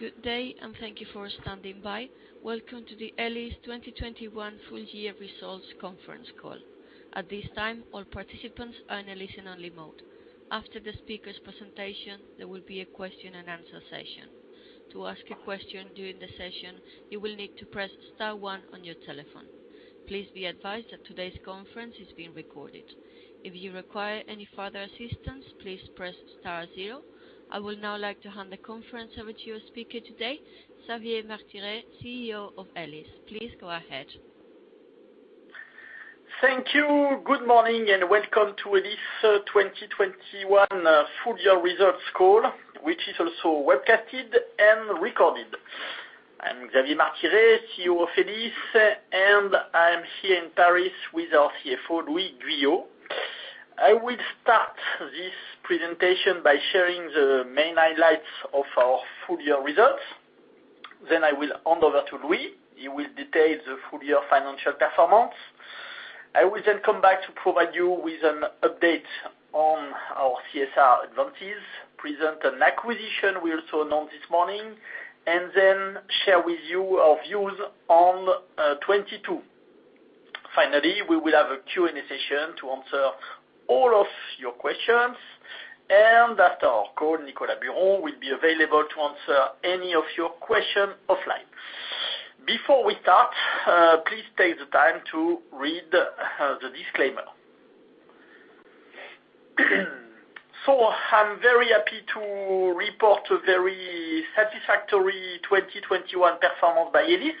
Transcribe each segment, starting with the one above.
Good day, and thank you for standing by. Welcome to the Elis 2021 full year results conference call. At this time, all participants are in a listen-only mode. After the speaker's presentation, there will be a question and answer session. To ask a question during the session, you will need to press star one on your telephone. Please be advised that today's conference is being recorded. If you require any further assistance, please press star zero. I would now like to hand the conference over to your speaker today, Xavier Martiré, CEO of Elis. Please go ahead. Thank you. Good morning, and welcome to Elis 2021 full year results call, which is also webcasted and recorded. I'm Xavier Martiré, CEO of Elis, and I am here in Paris with our CFO, Louis Guyot. I will start this presentation by sharing the main highlights of our full year results, then I will hand over to Louis. He will detail the full year financial performance. I will then come back to provide you with an update on our CSR advances, present an acquisition we also announced this morning, and then share with you our views on 2022. Finally, we will have a Q&A session to answer all of your questions. After our call, Nicolas Buron will be available to answer any of your questions offline. Before we start, please take the time to read the disclaimer. I'm very happy to report a very satisfactory 2021 performance by Elis.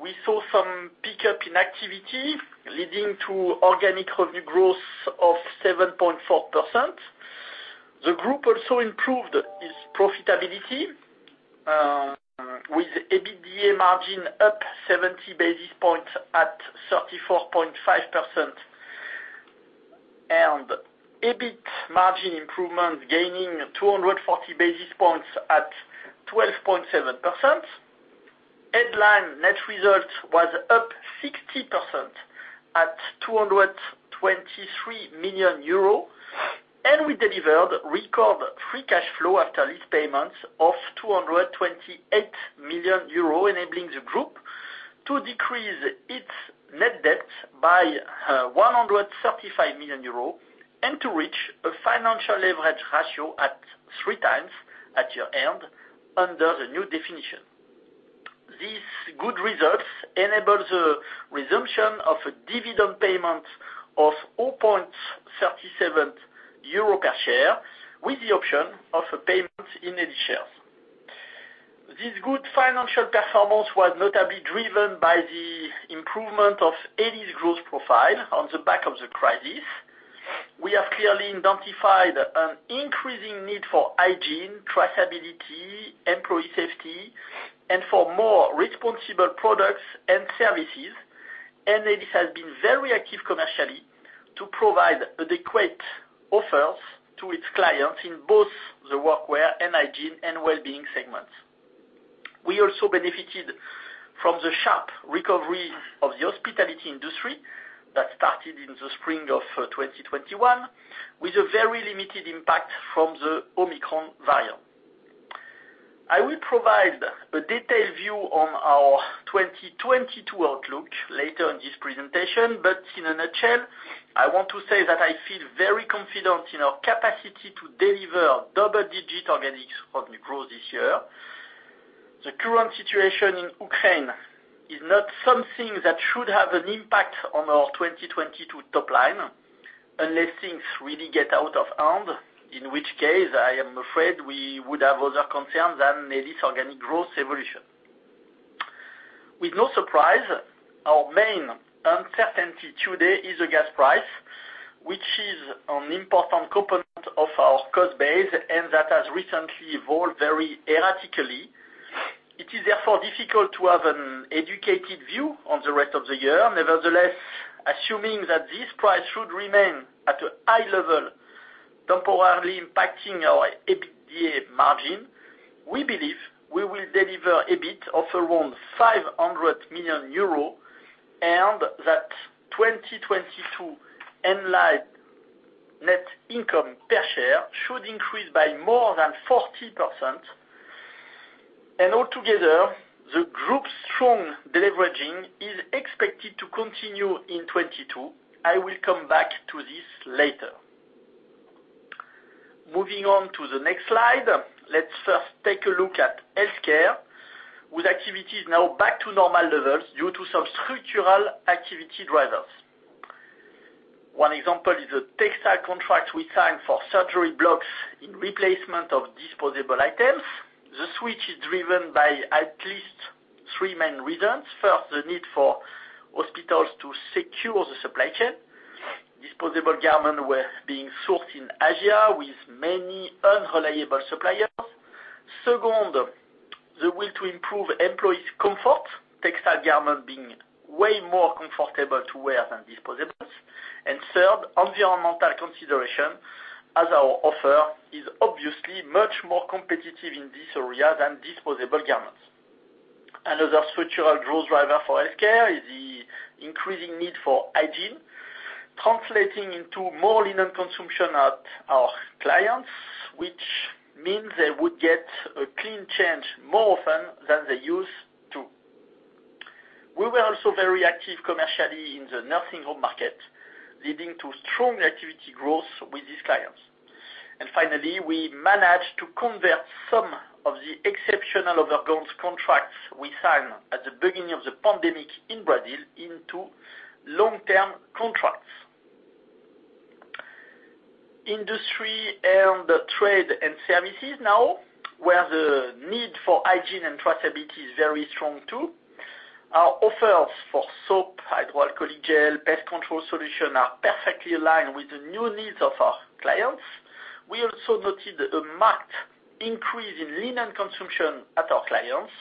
We saw some pickup in activity leading to organic revenue growth of 7.4%. The group also improved its profitability, with EBITDA margin up 70 basis points at 34.5%, and EBIT margin improvement gaining 240 basis points at 12.7%. Headline net result was up 60% at 223 million euro. We delivered record free cash flow after lease payments of 228 million euro, enabling the group to decrease its net debt by 135 million euro, and to reach a financial leverage ratio at 3x at year-end under the new definition. These good results enable the resumption of a dividend payment of 0.37 euro per share with the option of a payment in Elis shares. This good financial performance was notably driven by the improvement of Elis' growth profile on the back of the crisis. We have clearly identified an increasing need for hygiene, traceability, employee safety, and for more responsible products and services. Elis has been very active commercially to provide adequate offers to its clients in both the workwear and hygiene and well-being segments. We also benefited from the sharp recovery of the hospitality industry that started in the spring of 2021, with a very limited impact from the Omicron variant. I will provide a detailed view on our 2022 outlook later in this presentation. In a nutshell, I want to say that I feel very confident in our capacity to deliver double-digit organic revenue growth this year. The current situation in Ukraine is not something that should have an impact on our 2022 top line, unless things really get out of hand, in which case, I am afraid we would have other concerns than Elis organic growth evolution. With no surprise, our main uncertainty today is the gas price, which is an important component of our cost base, and that has recently evolved very erratically. It is therefore difficult to have an educated view on the rest of the year. Nevertheless, assuming that this price should remain at a high level, temporarily impacting our EBITDA margin, we believe we will deliver EBIT of around 500 million euros, and that 2022 in-line net income per share should increase by more than 40%. Altogether, the group's strong deleveraging is expected to continue in 2022. I will come back to this later. Moving on to the next slide, let's first take a look at healthcare, with activities now back to normal levels due to some structural activity drivers. One example is a textile contract we signed for surgery blocks in replacement of disposable items. The switch is driven by at least three main reasons. First, the need for hospitals to secure the supply chain. Disposable garments were being sourced in Asia with many unreliable suppliers. Second, the will to improve employees' comfort, textile garments being way more comfortable to wear than disposables. Third, environmental consideration, as our offer is obviously much more competitive in this area than disposable garments. Another structural growth driver for healthcare is the increasing need for hygiene, translating into more linen consumption at our clients, which means they would get a clean change more often than they used to. We were also very active commercially in the nursing home market, leading to strong activity growth with these clients. Finally, we managed to convert some of the exceptional overgowns contracts we signed at the beginning of the pandemic in Brazil into long-term contracts. Industry, trade, and services now, where the need for hygiene and traceability is very strong, too. Our offers for soap, hydroalcoholic gel, pest control solution are perfectly aligned with the new needs of our clients. We also noted a marked increase in linen consumption at our clients,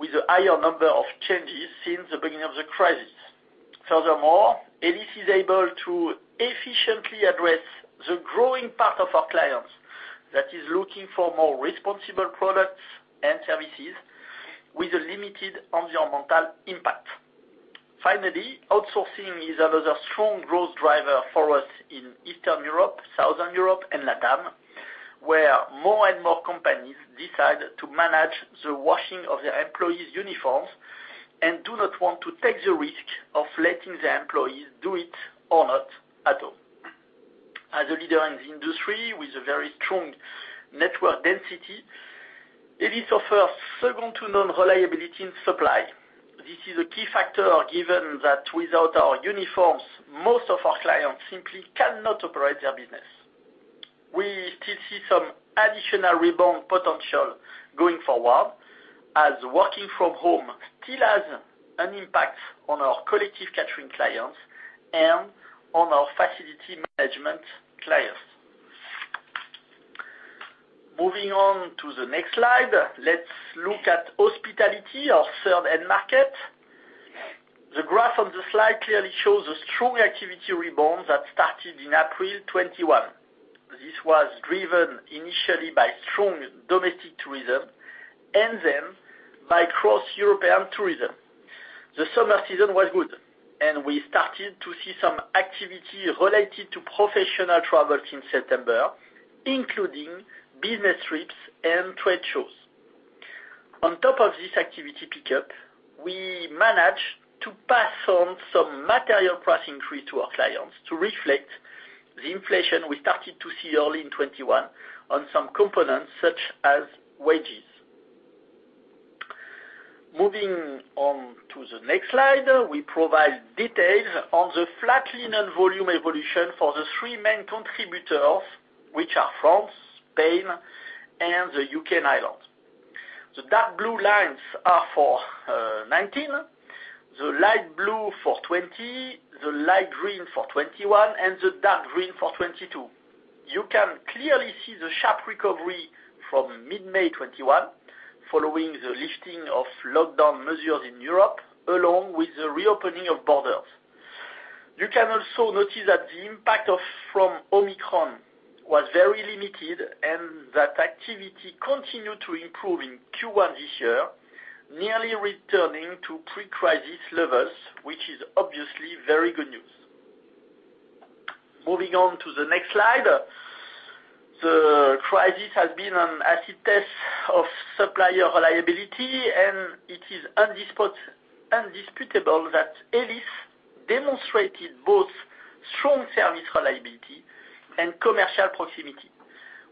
with a higher number of changes since the beginning of the crisis. Furthermore, Elis is able to efficiently address the growing part of our clients that is looking for more responsible products and services with a limited environmental impact. Finally, outsourcing is another strong growth driver for us in Eastern Europe, Southern Europe, and LatAM, where more and more companies decide to manage the washing of their employees' uniforms and do not want to take the risk of letting their employees do it or not at all. As a leader in the industry with a very strong network density, Elis offers second to none reliability in supply. This is a key factor, given that without our uniforms, most of our clients simply cannot operate their business. We still see some additional rebound potential going forward, as working from home still has an impact on our collective catering clients and on our facility management clients. Moving on to the next slide, let's look at hospitality, our third end market. The graph on the slide clearly shows a strong activity rebound that started in April 2021. This was driven initially by strong domestic tourism, and then by cross-European tourism. The summer season was good, and we started to see some activity related to professional travels in September, including business trips and trade shows. On top of this activity pickup, we managed to pass on some material price increase to our clients to reflect the inflation we started to see early in 2021 on some components such as wages. Moving on to the next slide, we provide details on the flat linen volume evolution for the three main contributors, which are France, Spain, and the U.K. and Ireland. The dark blue lines are for 2019, the light blue for 2020, the light green for 2021, and the dark green for 2022. You can clearly see the sharp recovery from mid-May 2021 following the lifting of lockdown measures in Europe, along with the reopening of borders. You can also notice that the impact from Omicron was very limited and that activity continued to improve in Q1 this year, nearly returning to pre-crisis levels, which is obviously very good news. Moving on to the next slide. The crisis has been an acid test of supplier reliability, and it is indisputable that Elis demonstrated both strong service reliability and commercial proximity.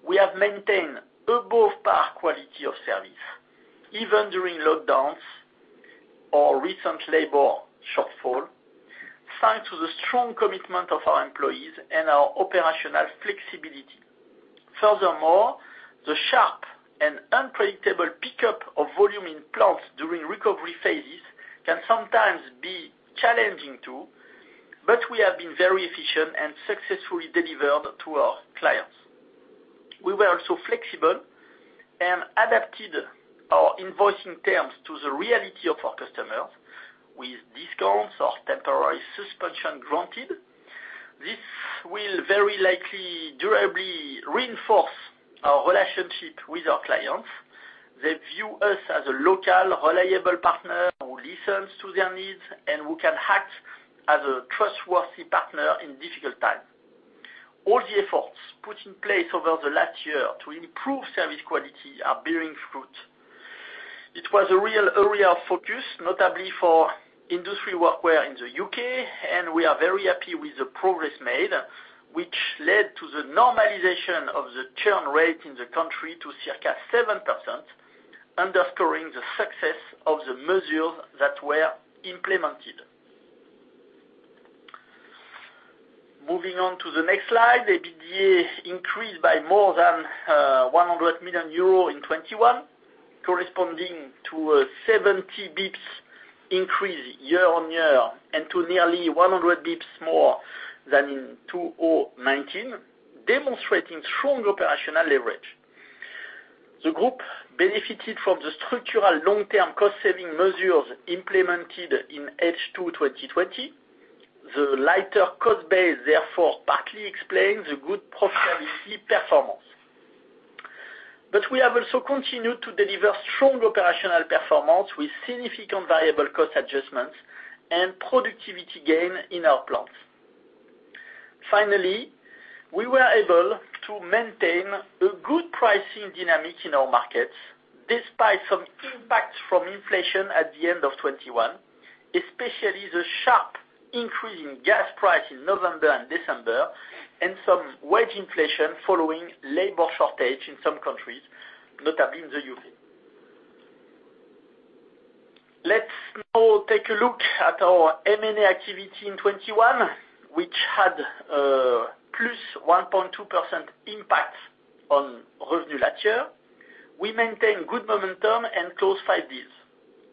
We have maintained above par quality of service, even during lockdowns or recent labor shortfall, thanks to the strong commitment of our employees and our operational flexibility. Furthermore, the sharp and unpredictable pickup of volume in plants during recovery phases can sometimes be challenging, too, but we have been very efficient and successfully delivered to our clients. We were also flexible and adapted our invoicing terms to the reality of our customers with discounts or temporary suspension granted. This will very likely durably reinforce our relationship with our clients. They view us as a local, reliable partner who listens to their needs and who can act as a trustworthy partner in difficult times. All the efforts put in place over the last year to improve service quality are bearing fruit. It was a real area of focus, notably for industry workwear in the U.K., and we are very happy with the progress made, which led to the normalization of the churn rate in the country to circa 7%, underscoring the success of the measures that were implemented. Moving on to the next slide, EBITDA increased by more than 100 million euros in 2021, corresponding to a 70 basis points increase year-on-year and to nearly 100 basis points more than in 2019, demonstrating strong operational leverage. The group benefited from the structural long-term cost-saving measures implemented in H2 2020. The lighter cost base therefore partly explains the good profitability performance. We have also continued to deliver strong operational performance with significant variable cost adjustments and productivity gain in our plants. Finally, we were able to maintain a good pricing dynamic in our markets despite some impact from inflation at the end of 2021, especially the sharp increase in gas price in November and December, and some wage inflation following labor shortage in some countries, notably in the U.K. Let's now take a look at our M&A activity in 2021, which had +1.2% impact on revenue last year. We maintained good momentum and closed five deals.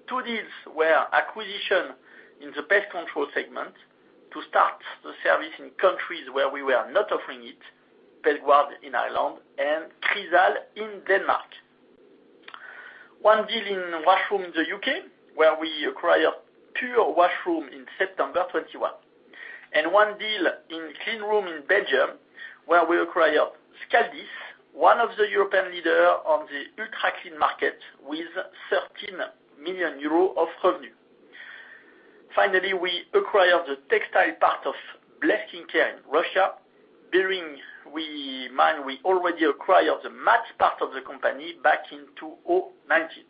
Two deals were acquisitions in the pest control segment to start the service in countries where we were not offering it, Pellgar in Ireland and Krydal in Denmark. One deal in washroom in the U.K., where we acquired PureWashrooms in September 2021. One deal in cleanroom in Belgium, where we acquired Scaldis, one of the European leaders on the ultra-clean market with 13 million euros of revenue. Finally, we acquired the textile part of Blesk-InCare in Russia, bearing in mind we already acquired the mats part of the company back in 2019.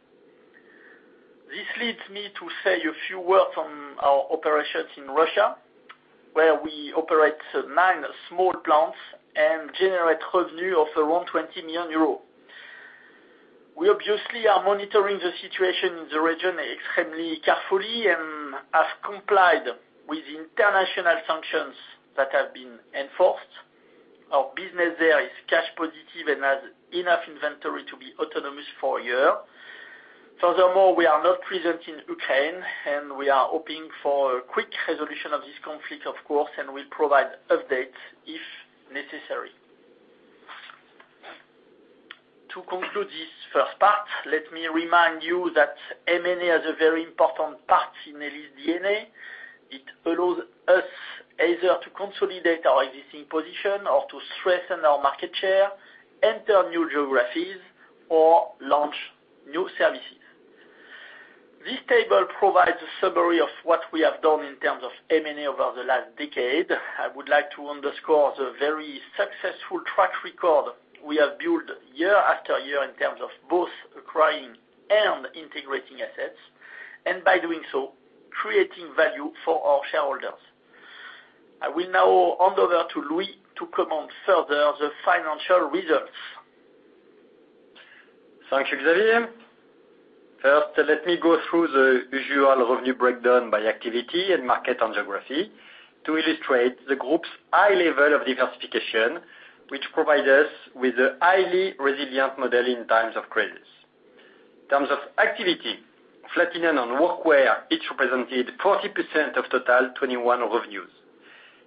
This leads me to say a few words on our operations in Russia, where we operate nine small plants and generate revenue of around 20 million euros. We obviously are monitoring the situation in the region extremely carefully and have complied with international sanctions that have been enforced. Our business there is cash positive and has enough inventory to be autonomous for a year. Furthermore, we are not present in Ukraine, and we are hoping for a quick resolution of this conflict, of course, and we'll provide updates if necessary. To conclude this first part, let me remind you that M&A is a very important part in Elis's DNA. It allows us either to consolidate our existing position or to strengthen our market share, enter new geographies, or launch new services. This table provides a summary of what we have done in terms of M&A over the last decade. I would like to underscore the very successful track record we have built year after year in terms of both acquiring and integrating assets, and by doing so, creating value for our shareholders. I will now hand over to Louis to comment further the financial results. Thank you, Xavier. First, let me go through the usual revenue breakdown by activity and market and geography to illustrate the group's high level of diversification, which provides us with a highly resilient model in times of crisis. In terms of activity, flat linen, workwear, each represented 40% of total 2021 revenues.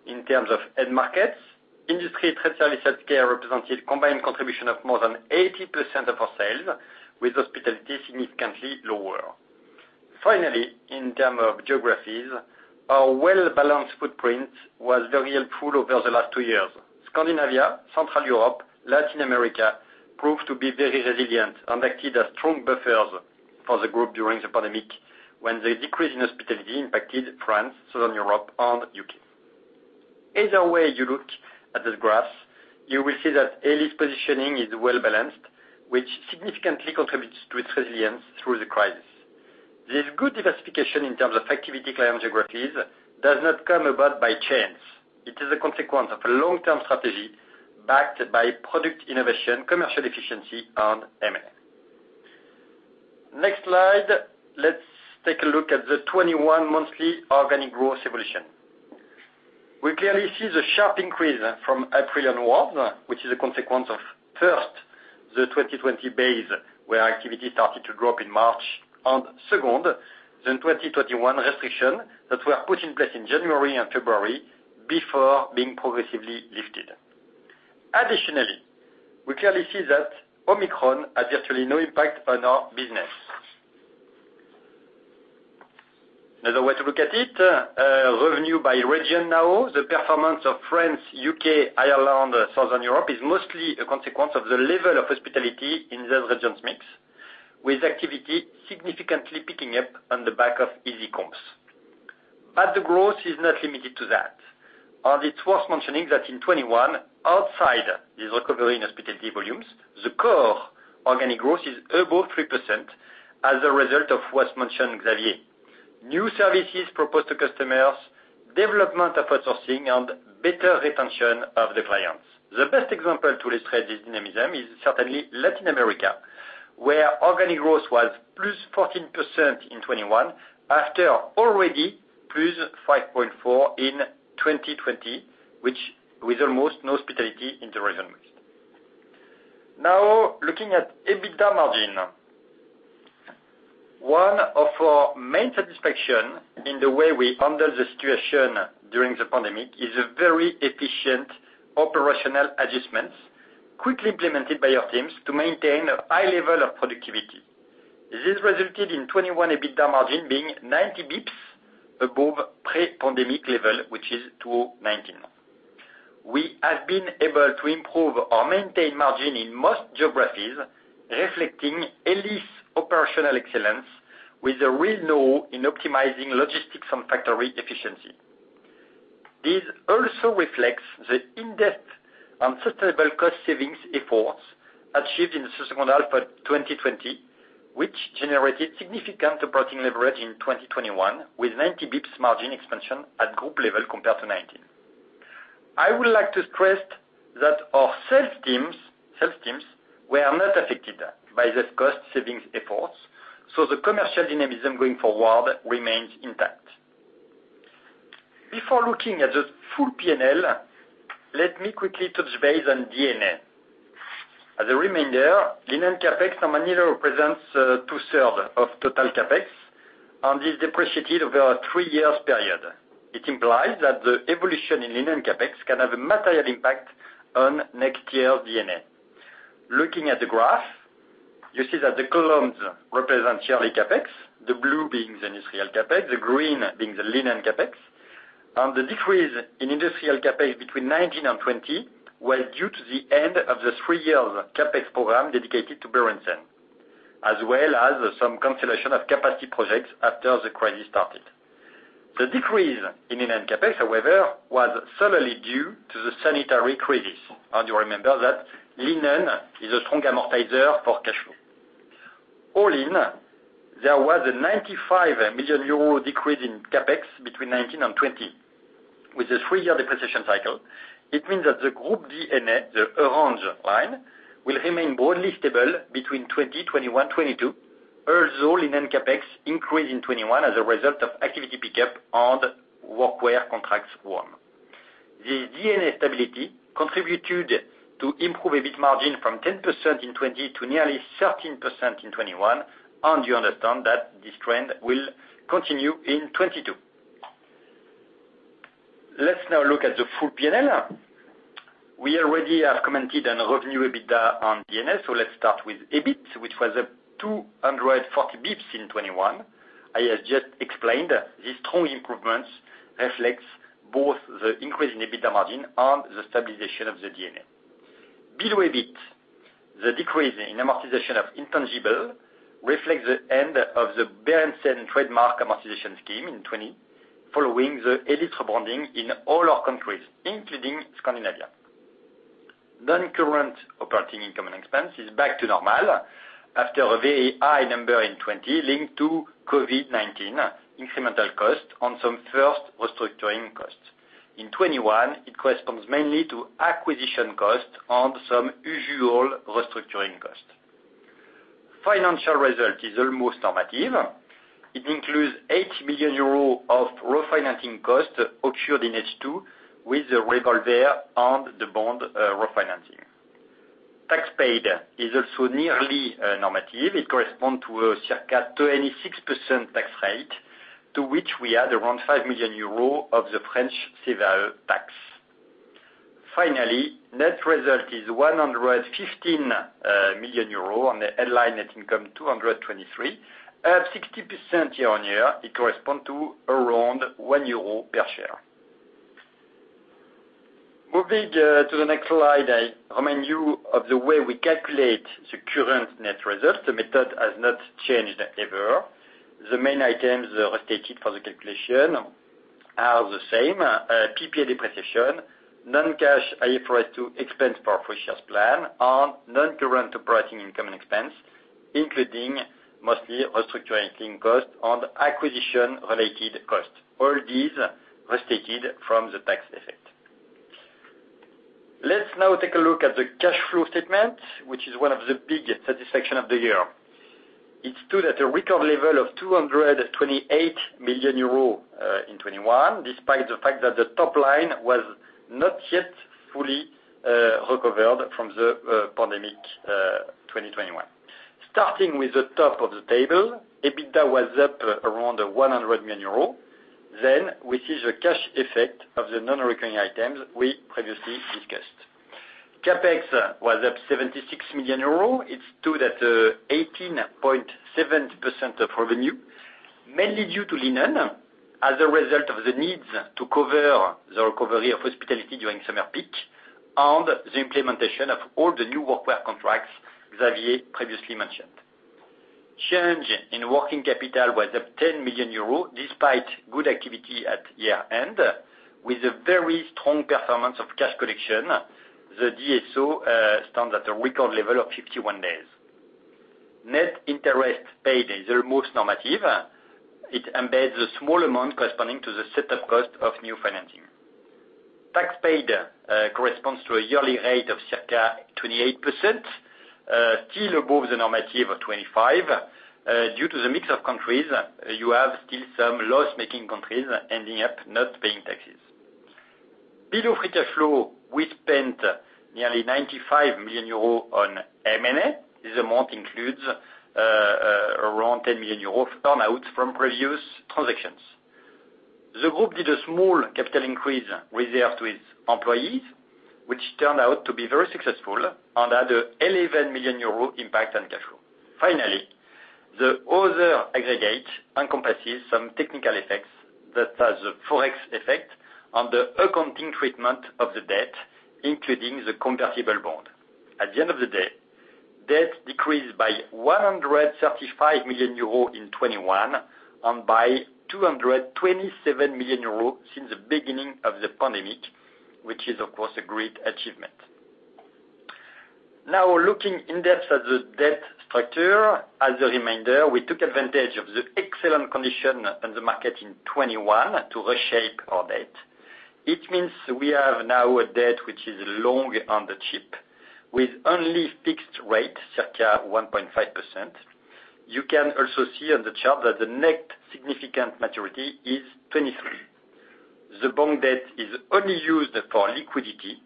In terms of end markets, industry, trade, services, healthcare represented combined contribution of more than 80% of our sales, with hospitality significantly lower. Finally, in terms of geographies, our well-balanced footprint was very helpful over the last two years. Scandinavia, Central Europe, Latin America proved to be very resilient and acted as strong buffers for the group during the pandemic, when the decrease in hospitality impacted France, Southern Europe and U.K. Either way you look at the graphs, you will see that Elis's positioning is well-balanced, which significantly contributes to its resilience through the crisis. This good diversification in terms of activity client geographies does not come about by chance. It is a consequence of a long-term strategy backed by product innovation, commercial efficiency and M&A. Next slide, let's take a look at the 2021 monthly organic growth evolution. We clearly see the sharp increase from April onward, which is a consequence of, first, the 2020 base where activity started to drop in March. Second, the 2021 restrictions that were put in place in January and February before being progressively lifted. Additionally, we clearly see that Omicron had virtually no impact on our business. Another way to look at it, revenue by region now, the performance of France, U.K., Ireland, Southern Europe is mostly a consequence of the level of hospitality in those regions' mix, with activity significantly picking up on the back of easy comps. The growth is not limited to that, and it's worth mentioning that in 2021, outside this recovery in hospitality volumes, the core organic growth is above 3% as a result of what's mentioned, Xavier. New services proposed to customers, development of outsourcing and better retention of the clients. The best example to illustrate this dynamism is certainly Latin America, where organic growth was +14% in 2021, after already +5.4% in 2020, which with almost no hospitality in the region. Now, looking at EBITDA margin. One of our main satisfaction in the way we handled the situation during the pandemic is a very efficient operational adjustments quickly implemented by our teams to maintain a high level of productivity. This resulted in 2021 EBITDA margin being 90 basis points above pre-pandemic level, which is 219 basis points. We have been able to improve our maintained margin in most geographies, reflecting Elis operational excellence with a real knack in optimizing logistics and factory efficiency. This also reflects the in-depth and sustainable cost savings efforts achieved in the second half of 2020, which generated significant operating leverage in 2021 with 90 basis points margin expansion at group level compared to 2019. I would like to stress that our sales teams were not affected by the cost savings efforts, so the commercial dynamism going forward remains intact. Before looking at the full P&L, let me quickly touch base on D&A. As a reminder, linen CapEx normally represents 2/3 of total CapEx and is depreciated over a three-year period. It implies that the evolution in linen CapEx can have a material impact on next year's D&A. Looking at the graph, you see that the columns represent yearly CapEx, the blue being the industrial CapEx, the green being the linen CapEx. The decrease in industrial CapEx between 2019 and 2020 was due to the end of the three-year CapEx program dedicated to Berendsen, as well as some cancellation of capacity projects after the crisis started. The decrease in linen CapEx, however, was solely due to the sanitary crisis, and you remember that linen is a strong amortizer for cash flow. All in, there was a 95 million euro decrease in CapEx between 2019 and 2020. With a three-year depreciation cycle, it means that the group D&A, the orange line, will remain broadly stable between 2020, 2021, 2022, although linen CapEx increased in 2021 as a result of activity pickup and workwear contracts won. The D&A stability contributed to improve EBIT margin from 10% in 2020 to nearly 13% in 2021, and you understand that this trend will continue in 2022. Let's now look at the full P&L. We already have commented on revenue, EBITDA and D&A, so let's start with EBIT, which was up 240 basis points in 2021. I have just explained the strong improvements reflects both the increase in EBITDA margin and the stabilization of the D&A. Below EBIT, the decrease in amortization of intangible reflects the end of the Berendsen trademark amortization scheme in 2020 following the Elis rebranding in all our countries, including Scandinavia. Non-current operating income and expense is back to normal after a very high number in 2020 linked to COVID-19 incremental cost on some first restructuring costs. In 2021, it corresponds mainly to acquisition costs and some usual restructuring costs. Financial result is almost normative. It includes 80 million euros of refinancing costs occurred in H2 with the revolver and the bond refinancing. Tax paid is also nearly normative. It correspond to a circa 26% tax rate, to which we add around 5 million euros of the French civil tax. Finally, net result is 115 million euro on the headline net income 223. At 60% year-on-year, it correspond to around 1 euro per share. Moving to the next slide, I remind you of the way we calculate the current net results. The method has not changed ever. The main items restated for the calculation are the same, PPA depreciation, non-cash IFRS 2 expense for purchase plan, and non-current operating income and expense, including mostly restructuring costs and acquisition-related costs, all these restated from the tax effect. Let's now take a look at the cash flow statement, which is one of the biggest satisfactions of the year. It stood at a record level of 228 million euros in 2021, despite the fact that the top line was not yet fully recovered from the pandemic, 2021. Starting with the top of the table, EBITDA was up around 100 million euros. Then we see the cash effect of the non-recurring items we previously discussed. CapEx was up 76 million euros. It stood at 18.7% of revenue, mainly due to linen as a result of the needs to cover the recovery of hospitality during summer peak and the implementation of all the new workwear contracts Xavier previously mentioned. Change in working capital was up 10 million euros despite good activity at year-end. With a very strong performance of cash collection, the DSO stands at a record level of 51 days. Net interest paid is almost normative. It embeds a small amount corresponding to the setup cost of new financing. Tax paid corresponds to a yearly rate of circa 28%, still above the normative of 25%. Due to the mix of countries, you have still some loss-making countries ending up not paying taxes. Below free cash flow, we spent nearly 95 million euros on M&A. This amount includes around 10 million euros turnouts from previous transactions. The group did a small capital increase reserved with employees, which turned out to be very successful and had a 11 million euro impact on cash flow. Finally, the other aggregate encompasses some technical effects that has a full FX effect on the accounting treatment of the debt, including the convertible bond. At the end of the day, debt decreased by 135 million euros in 2021 and by 227 million euros since the beginning of the pandemic, which is, of course, a great achievement. Now, looking in depth at the debt structure, as a reminder, we took advantage of the excellent conditions in the market in 2021 to reshape our debt. It means we have now a debt which is long and cheap with only fixed rate, circa 1.5%. You can also see on the chart that the next significant maturity is 2023. The bond debt is only used for liquidity,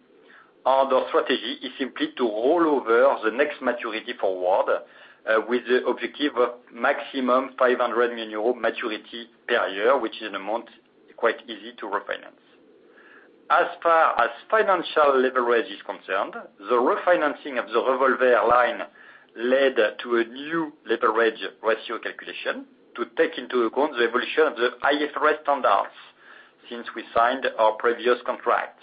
and our strategy is simply to roll over the next maturity forward with the objective of maximum 500 million euro maturity per year, which is an amount quite easy to refinance. As far as financial leverage is concerned, the refinancing of the revolver line led to a new leverage ratio calculation to take into account the evolution of the IFRS standards since we signed our previous contract.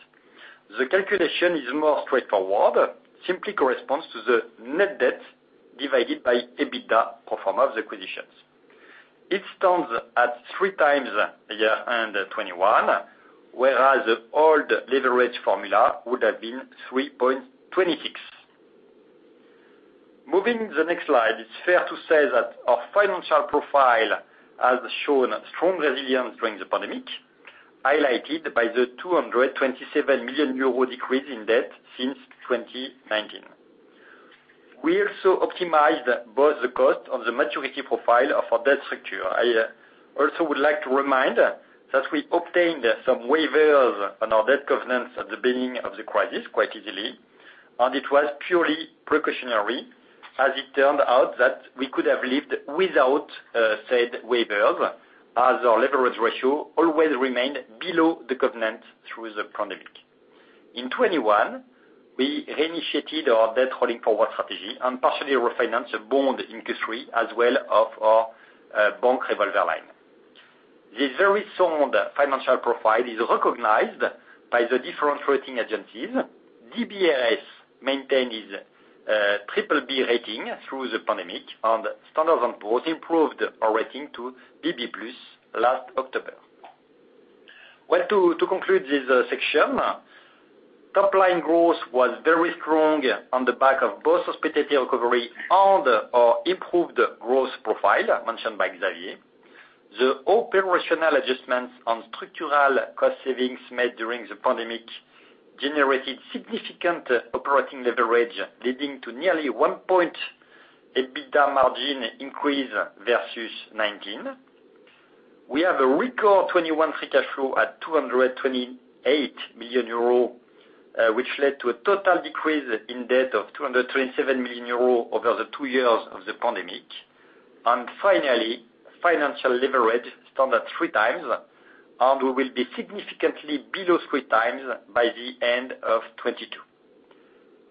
The calculation is more straightforward, simply corresponds to the net debt divided by EBITDA pro forma of the acquisitions. It stands at 3x year-end 2021, whereas the old leverage formula would have been 3.26. Moving to the next slide, it's fair to say that our financial profile has shown strong resilience during the pandemic, highlighted by the 227 million euro decrease in debt since 2019. We also optimized both the cost and the maturity profile of our debt structure. I also would like to remind that we obtained some waivers on our debt covenants at the beginning of the crisis quite easily, and it was purely precautionary, as it turned out that we could have lived without said waivers as our leverage ratio always remained below the covenant through the pandemic. In 2021, we reinitiated our debt rolling forward strategy and partially refinanced a bond in Q3 as well as our bank revolver line. This very sound financial profile is recognized by the different rating agencies. DBRS maintained its BBB rating through the pandemic, and Standard & Poor's improved our rating to BB+ last October. Well, to conclude this section, top-line growth was very strong on the back of both hospitality recovery and our improved growth profile mentioned by Xavier. The operational adjustments and structural cost savings made during the pandemic generated significant operating leverage, leading to nearly 1-point EBITDA margin increase versus 2019. We have a record 2021 free cash flow at 228 million euro, which led to a total decrease in debt of 227 million euro over the two years of the pandemic. Finally, financial leverage stands at 3x, and we will be significantly below 3x by the end of 2022.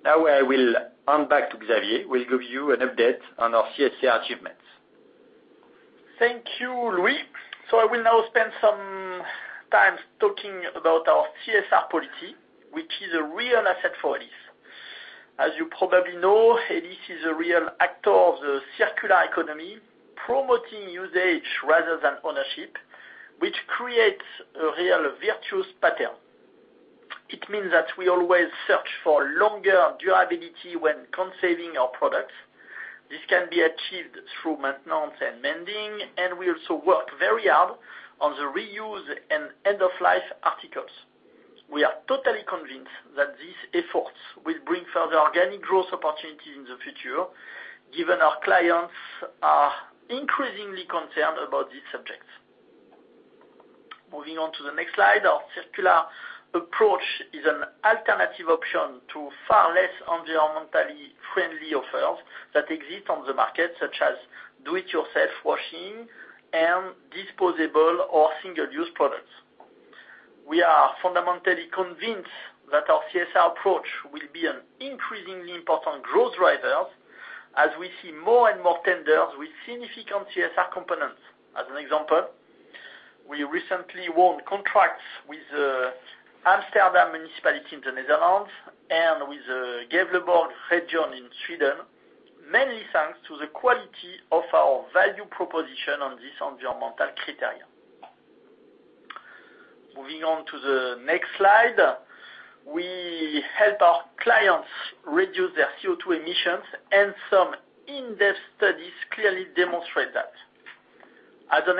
Now, I will hand back to Xavier, who will give you an update on our CSR achievements. Thank you, Louis. I will now spend some time talking about our CSR policy, which is a real asset for Elis. As you probably know, Elis is a real actor of the circular economy, promoting usage rather than ownership, which creates a real virtuous pattern. It means that we always search for longer durability when conserving our products. This can be achieved through maintenance and mending, and we also work very hard on the reuse and end-of-life articles. We are totally convinced that these efforts will bring further organic growth opportunities in the future, given our clients are increasingly concerned about these subjects. Moving on to the next slide. Our circular approach is an alternative option to far less environmentally friendly offers that exist on the market, such as do it yourself washing and disposable or single-use products. We are fundamentally convinced that our CSR approach will be an increasingly important growth driver as we see more and more tenders with significant CSR components. As an example, we recently won contracts with Amsterdam Municipality in the Netherlands and with Gävleborg region in Sweden, many thanks to the quality of our value proposition on this environmental criteria. Moving on to the next slide. We help our clients reduce their CO2 emissions, and some in-depth studies clearly demonstrate that. As an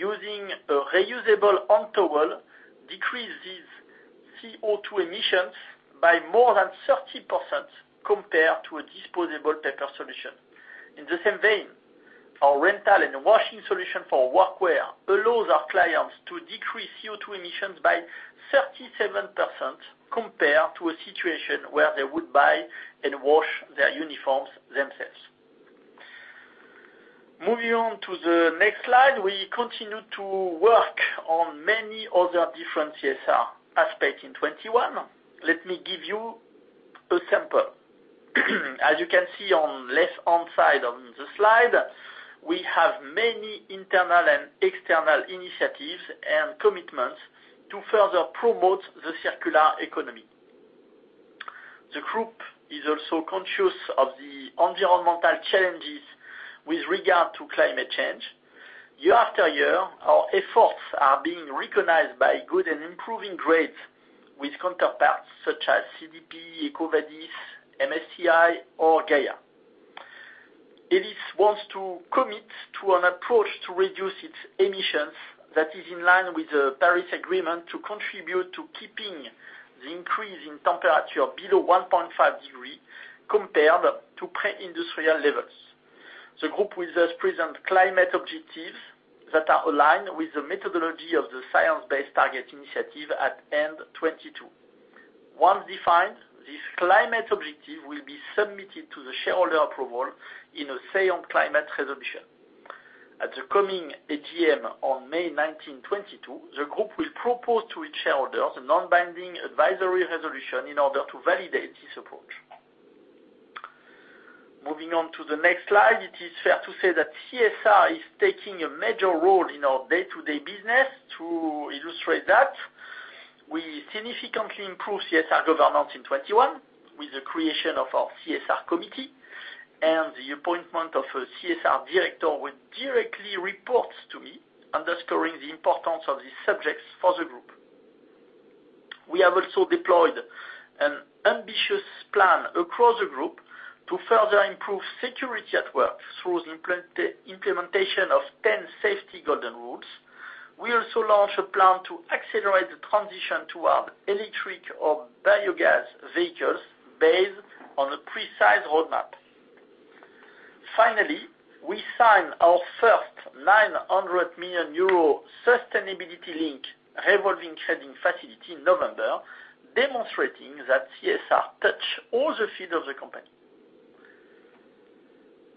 example, using a reusable hand towel decreases CO2 emissions by more than 30% compared to a disposable paper solution. In the same vein, our rental and washing solution for workwear allows our clients to decrease CO2 emissions by 37% compared to a situation where they would buy and wash their uniforms themselves. Moving on to the next slide. We continue to work on many other different CSR aspects in 2021. Let me give you a sample. As you can see on left-hand side on the slide, we have many internal and external initiatives and commitments to further promote the circular economy. The group is also conscious of the environmental challenges with regard to climate change. Year after year, our efforts are being recognized by good and improving grades with counterparts such as CDP, EcoVadis, MSCI or Gaïa. Elis wants to commit to an approach to reduce its emissions that is in line with the Paris Agreement to contribute to keeping the increase in temperature below 1.5 degrees compared to pre-industrial levels. The group will thus present climate objectives that are aligned with the methodology of the Science Based Targets initiative at end 2022. Once defined, this climate objective will be submitted to the shareholder approval in a Say on Climate resolution. At the coming AGM on May 19, 2022, the group will propose to its shareholders a non-binding advisory resolution in order to validate this approach. Moving on to the next slide. It is fair to say that CSR is taking a major role in our day-to-day business. To illustrate that, we significantly improved CSR governance in 2021 with the creation of our CSR committee and the appointment of a CSR director who directly reports to me, underscoring the importance of these subjects for the group. We have also deployed an ambitious plan across the group to further improve security at work through the implementation of 10 safety golden rules. We also launched a plan to accelerate the transition toward electric or biogas vehicles based on a precise roadmap. Finally, we signed our first 900 million euro Sustainability-Linked Revolving Credit Facility in November, demonstrating that CSR touches all the fields of the company.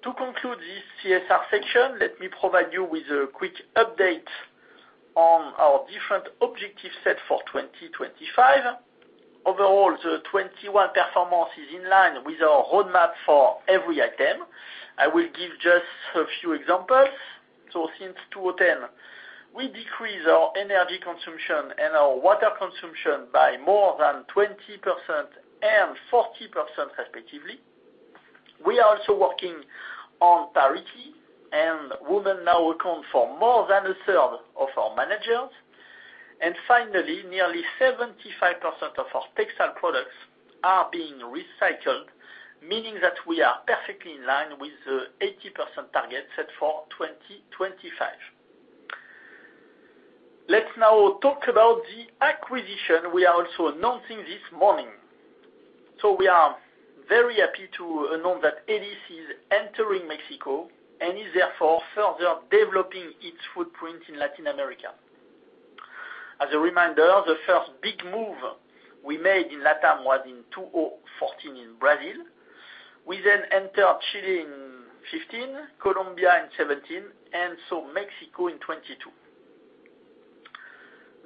To conclude this CSR section, let me provide you with a quick update on our different objectives set for 2025. Overall, the 2021 performance is in line with our roadmap for every item. I will give just a few examples. Since 2010, we decreased our energy consumption and our water consumption by more than 20% and 40% respectively. We are also working on parity, and women now account for more than 1/3 of our managers. Finally, nearly 75% of our textile products are being recycled, meaning that we are perfectly in line with the 80% target set for 2025. Let's now talk about the acquisition we are also announcing this morning. We are very happy to announce that Elis is entering Mexico and is therefore further developing its footprint in Latin America. As a reminder, the first big move we made in LatAm was in 2014 in Brazil. We then entered Chile in 2015, Colombia in 2017, and so Mexico in 2022.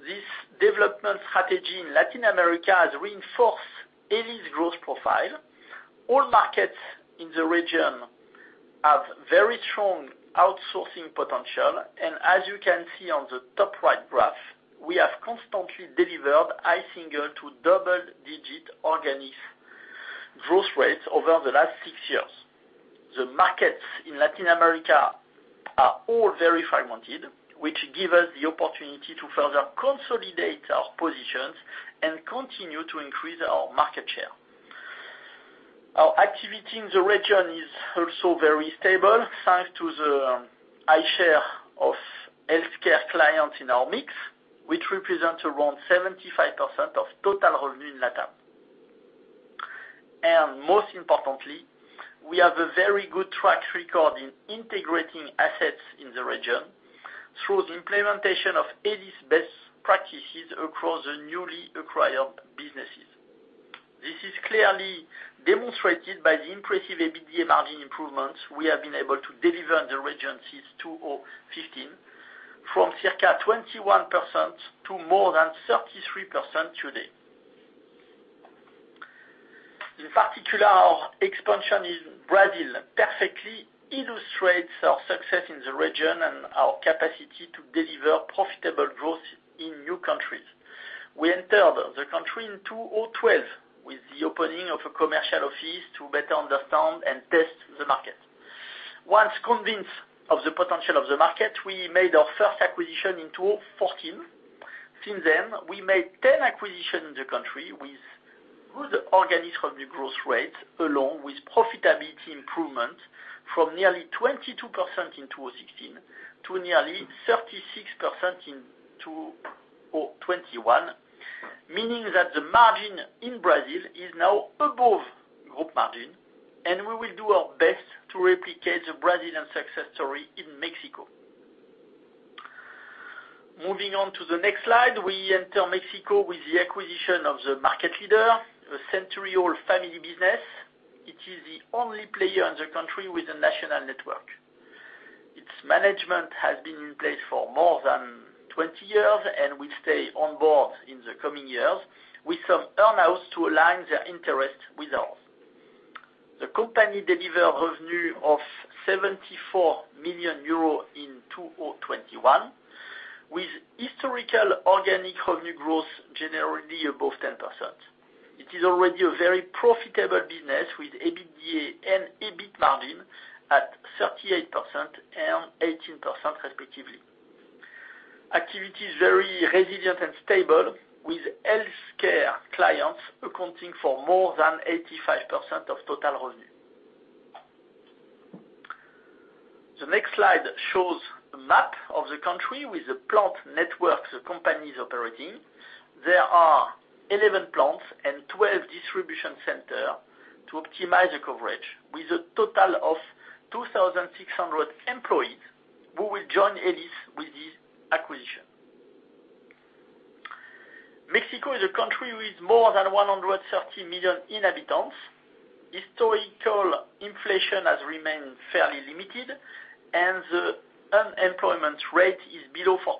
This development strategy in Latin America has reinforced Elis' growth profile. All markets in the region have very strong outsourcing potential, and as you can see on the top right graph, we have constantly delivered high single to double-digit organic growth rates over the last six years. The markets in Latin America are all very fragmented, which give us the opportunity to further consolidate our positions and continue to increase our market share. Our activity in the region is also very stable, thanks to the high share of healthcare clients in our mix, which represents around 75% of total revenue in LatAm. Most importantly, we have a very good track record in integrating assets in the region through the implementation of Elis' best practices across the newly acquired businesses. This is clearly demonstrated by the impressive EBITDA margin improvements we have been able to deliver in the region since 2015, from circa 21% to more than 33% today. In particular, our expansion in Brazil perfectly illustrates our success in the region and our capacity to deliver profitable growth in new countries. We entered the country in 2012 with the opening of a commercial office to better understand and test the market. Once convinced of the potential of the market, we made our first acquisition in 2014. Since then, we made 10 acquisitions in the country with good organic revenue growth rate, along with profitability improvement from nearly 22% in 2016 to nearly 36% in 2021. Meaning that the margin in Brazil is now above group margin, and we will do our best to replicate the Brazilian success story. Moving on to the next slide, we enter Mexico with the acquisition of the market leader, a century-old family business. It is the only player in the country with a national network. Its management has been in place for more than 20 years and will stay on board in the coming years with some earn-outs to align their interests with ours. The company delivered revenue of 74 million euros in 2021, with historical organic revenue growth generally above 10%. It is already a very profitable business, with EBITDA and EBIT margin at 38% and 18% respectively. Activity is very resilient and stable, with healthcare clients accounting for more than 85% of total revenue. The next slide shows a map of the country with the plant networks the company's operating. There are 11 plants and 12 distribution centers to optimize the coverage, with a total of 2,600 employees who will join Elis with this acquisition. Mexico is a country with more than 130 million inhabitants. Historical inflation has remained fairly limited, and the unemployment rate is below 4%,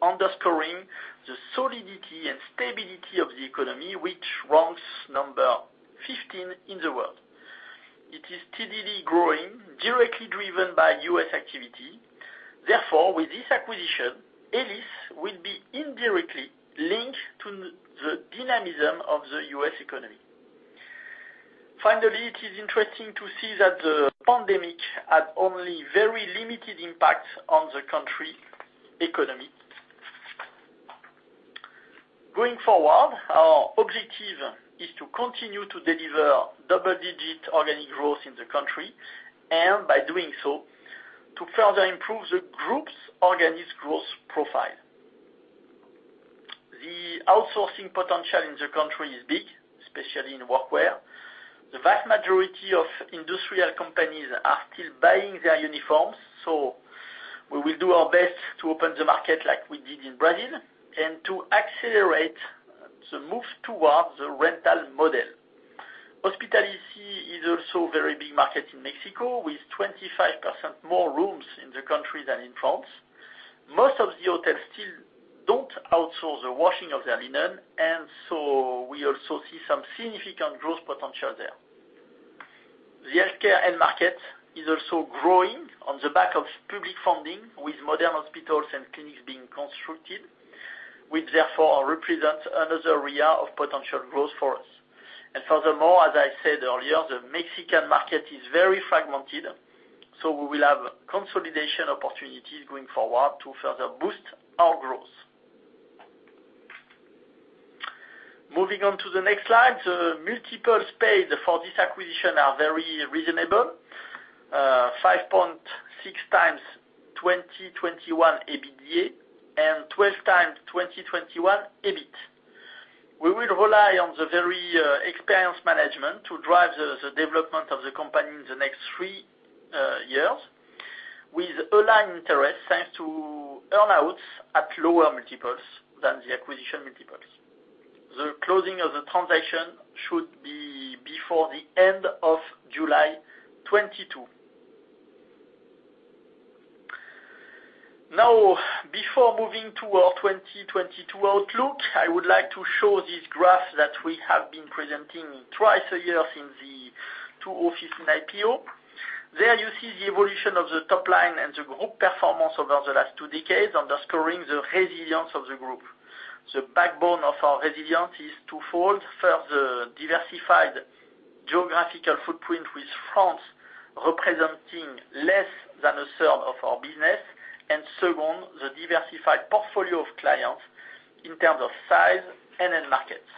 underscoring the solidity and stability of the economy, which ranks number 15 in the world. It is steadily growing, directly driven by U.S. activity. Therefore, with this acquisition, Elis will be indirectly linked to the dynamism of the U.S. economy. Finally, it is interesting to see that the pandemic had only very limited impact on the country's economy. Going forward, our objective is to continue to deliver double-digit organic growth in the country, and by doing so, to further improve the group's organic growth profile. The outsourcing potential in the country is big, especially in workwear. The vast majority of industrial companies are still buying their uniforms, so we will do our best to open the market like we did in Brazil and to accelerate the move towards the rental model. Hospitality is also a very big market in Mexico, with 25% more rooms in the country than in France. Most of the hotels still don't outsource the washing of their linen, and so we also see some significant growth potential there. The healthcare end market is also growing on the back of public funding, with modern hospitals and clinics being constructed, which therefore represent another area of potential growth for us. Furthermore, as I said earlier, the Mexican market is very fragmented, so we will have consolidation opportunities going forward to further boost our growth. Moving on to the next slide. The multiples paid for this acquisition are very reasonable, 5.6x 2021 EBITDA and 12x 2021 EBIT. We will rely on the very experienced management to drive the development of the company in the next thre. Years, with aligned interests thanks to earn-outs at lower multiples than the acquisition multiples. The closing of the transaction should be before the end of July 2022. Now, before moving to our 2022 outlook, I would like to show this graph that we have been presenting twice a year since 2007 and IPO. There you see the evolution of the top line and the group performance over the last two decades, underscoring the resilience of the group. The backbone of our resilience is twofold. First, the diversified geographical footprint with France representing less than 1/3 of our business. Second, the diversified portfolio of clients in terms of size and end markets.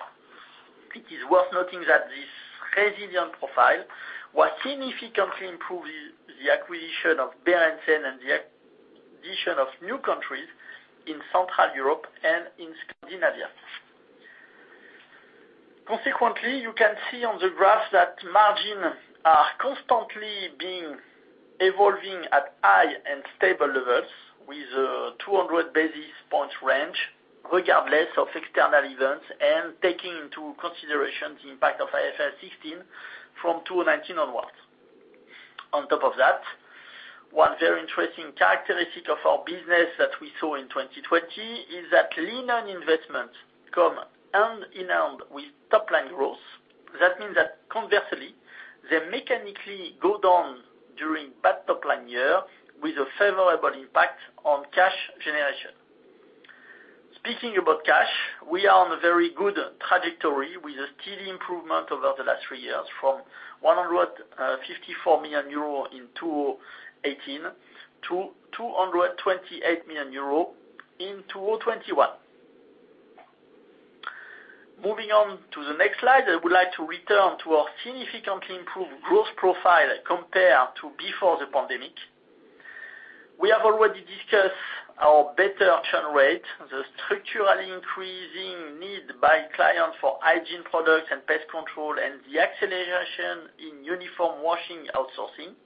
It is worth noting that this resilient profile was significantly improved with the acquisition of Berendsen and the acquisition of new countries in Central Europe and in Scandinavia. Consequently, you can see on the graph that margins are constantly evolving at high and stable levels with a 200 basis points range, regardless of external events and taking into consideration the impact of IFRS 16 from 2019 onwards. On top of that, one very interesting characteristic of our business that we saw in 2020 is that linen investments come hand in hand with top-line growth. That means that conversely, they mechanically go down during bad top-line years with a favorable impact on cash generation. Speaking about cash, we are on a very good trajectory with a steady improvement over the last three years from 154 million euro in 2018 to 228 million euro in 2021. Moving on to the next slide. I would like to return to our significantly improved growth profile compared to before the pandemic. We have already discussed our better churn rate, the structurally increasing need by clients for hygiene products and pest control, and the acceleration in uniform washing outsourcing.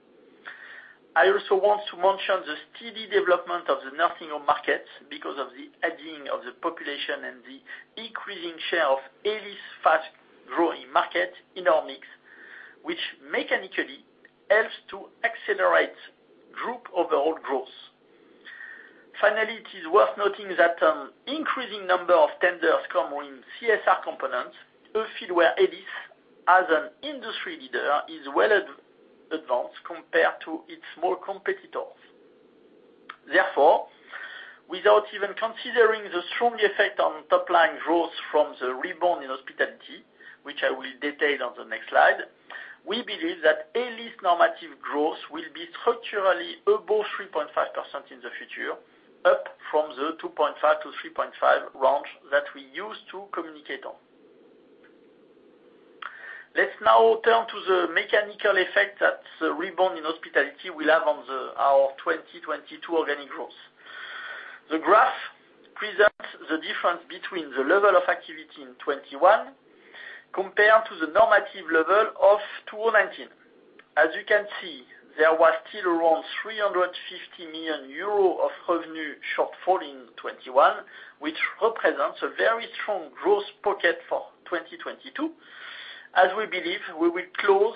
I also want to mention the steady development of the nursing home markets because of the aging of the population and the increasing share of Elis' fast-growing market in our mix, which mechanically helps to accelerate group overall growth. Finally, it is worth noting that an increasing number of tenders come in CSR components, a field where Elis, as an industry leader, is well advanced compared to its small competitors. Therefore, without even considering the strong effect on top-line growth from the rebound in hospitality, which I will detail on the next slide, we believe that Elis normative growth will be structurally above 3.5% in the future, up from the 2.5%-3.5% range that we used to communicate on. Let's now turn to the mechanical effect that the rebound in hospitality will have on our 2022 organic growth. The graph presents the difference between the level of activity in 2021 compared to the normative level of 2019. As you can see, there was still around 350 million euro of revenue shortfall in 2021, which represents a very strong growth pocket for 2022, as we believe we will close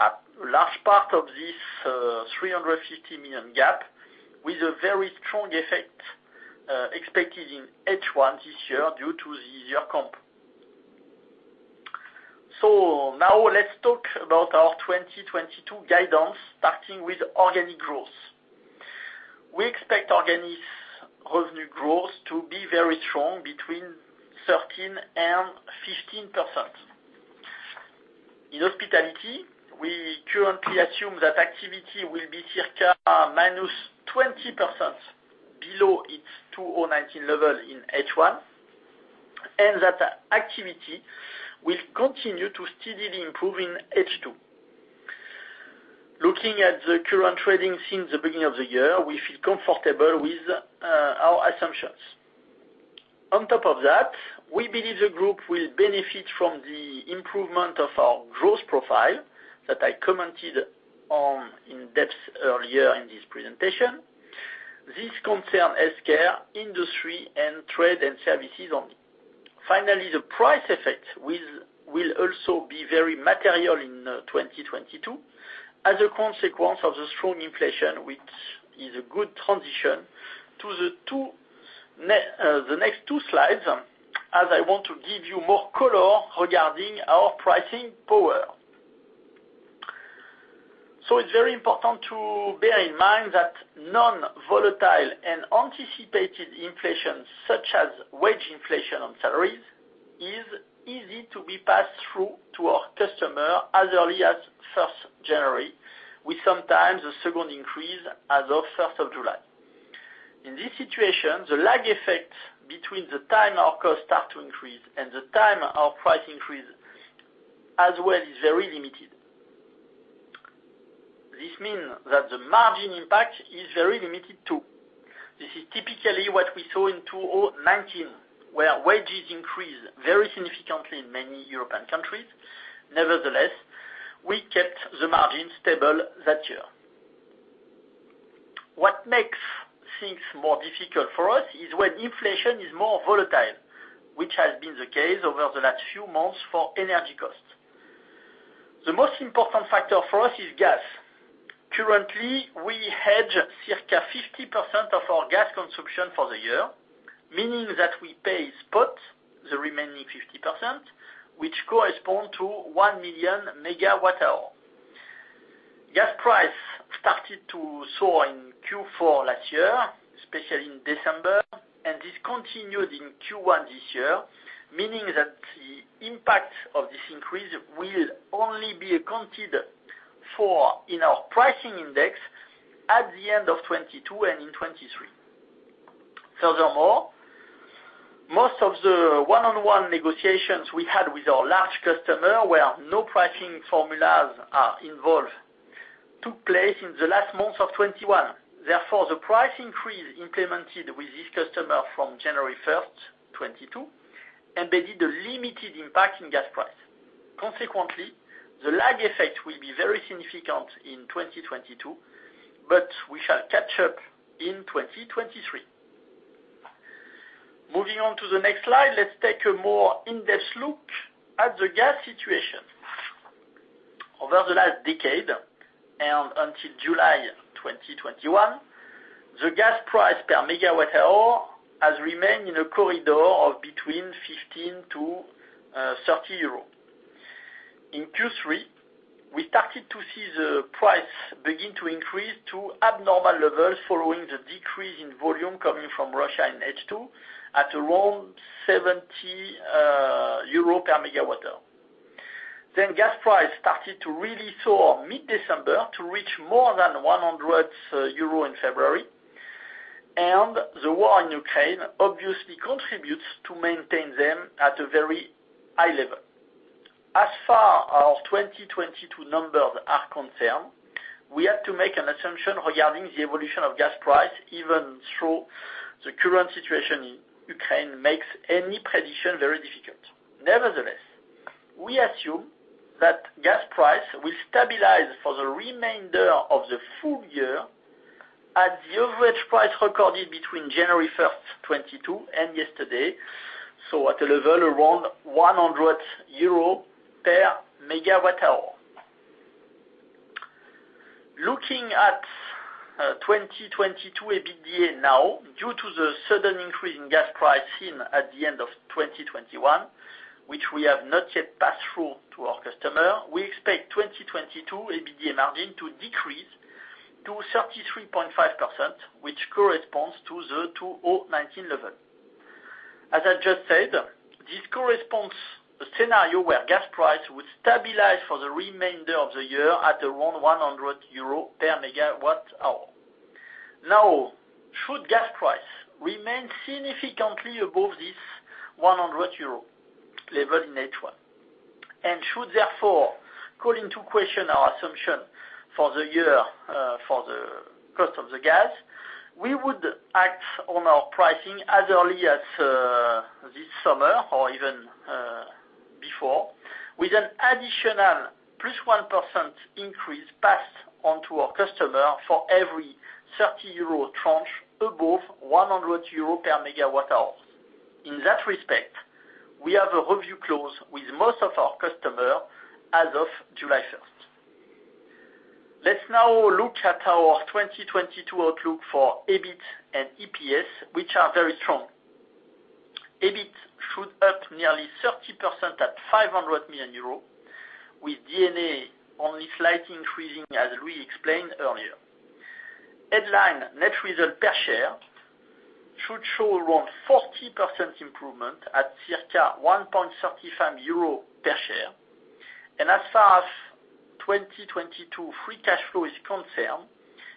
a large part of this 350 million gap with a very strong effect expected in H1 this year due to the easier comp. Now let's talk about our 2022 guidance, starting with organic growth. We expect organic revenue growth to be very strong between 13%-15%. In hospitality, we currently assume that activity will be circa -20% below its 2019 level in H1, and that activity will continue to steadily improve in H2. Looking at the current trading since the beginning of the year, we feel comfortable with our assumptions. On top of that, we believe the group will benefit from the improvement of our growth profile that I commented on in depth earlier in this presentation. This concerns healthcare, industry, and trade and services only. Finally, the price effect will also be very material in 2022 as a consequence of the strong inflation, which is a good transition to the next two slides, as I want to give you more color regarding our pricing power. It's very important to bear in mind that non-volatile and anticipated inflation, such as wage inflation on salaries, is easy to be passed through to our customer as early as first January, with sometimes a second increase as of first of July. In this situation, the lag effect between the time our costs start to increase and the time our prices increase as well is very limited. This means that the margin impact is very limited, too. This is typically what we saw in 2019, where wages increased very significantly in many European countries. Nevertheless, we kept the margin stable that year. What makes things more difficult for us is when inflation is more volatile, which has been the case over the last few months for energy costs. The most important factor for us is gas. Currently, we hedge circa 50% of our gas consumption for the year, meaning that we pay spot the remaining 50%, which corresponds to 1 million MWh. Gas price started to soar in Q4 last year, especially in December, and this continued in Q1 this year, meaning that the impact of this increase will only be accounted for in our pricing index at the end of 2022 and in 2023. Furthermore, most of the one-on-one negotiations we had with our large customer, where no pricing formulas are involved, took place in the last months of 2021. Therefore, the price increase implemented with this customer from January 1st, 2022, embedded a limited impact in gas price. Consequently, the lag effect will be very significant in 2022, but we shall catch up in 2023. Moving on to the next slide, let's take a more in-depth look at the gas situation. Over the last decade and until July 2021, the gas price per MWh has remained in a corridor of between 15-30 euros. In Q3, we started to see the price begin to increase to abnormal levels following the decrease in volume coming from Russia in H2 at around 70 euro per MWh. Gas price started to really soar mid-December to reach more than 100 euro in February. The war in Ukraine obviously contributes to maintain them at a very high level. As far as our 2022 numbers are concerned, we have to make an assumption regarding the evolution of gas price, even though the current situation in Ukraine makes any prediction very difficult. Nevertheless, we assume that gas price will stabilize for the remainder of the full year at the average price recorded between January 1st, 2022 and yesterday, so at a level around 100 euro per MWh. Looking at 2022 EBITDA now, due to the sudden increase in gas price seen at the end of 2021, which we have not yet passed through to our customer, we expect 2022 EBITDA margin to decrease to 33.5%, which corresponds to the 2019 level. As I just said, this corresponds to a scenario where gas price would stabilize for the remainder of the year at around 100 euro per MWh. Now, should gas price remain significantly above this 100 euro level in H1, and should therefore call into question our assumption for the year, for the cost of the gas, we would act on our pricing as early as this summer or even before, with an additional +1% increase passed on to our customer for every 30 euro tranche above 100 euro per MWh. In that respect, we have a review clause with most of our customer as of July 1st. Let's now look at our 2022 outlook for EBIT and EPS, which are very strong. EBIT should be up nearly 30% at 500 million euros, with D&A only slightly increasing, as Louis explained earlier. Headline net result per share should show around 40% improvement at circa 1.35 euro per share. As far as 2022 free cash flow is concerned,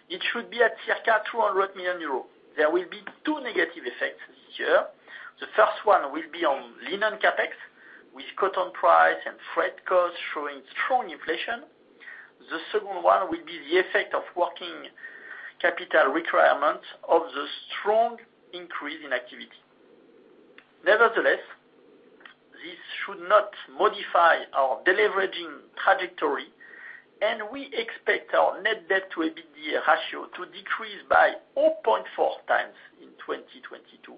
it should be at circa 200 million euros. There will be two negative effects this year. The first one will be on linen CapEx, with cotton price and freight costs showing strong inflation. The second one will be the effect of working capital requirement of the strong increase in activity. Nevertheless, this should not modify our deleveraging trajectory, and we expect our net debt to EBITDA ratio to decrease by 0.4x in 2022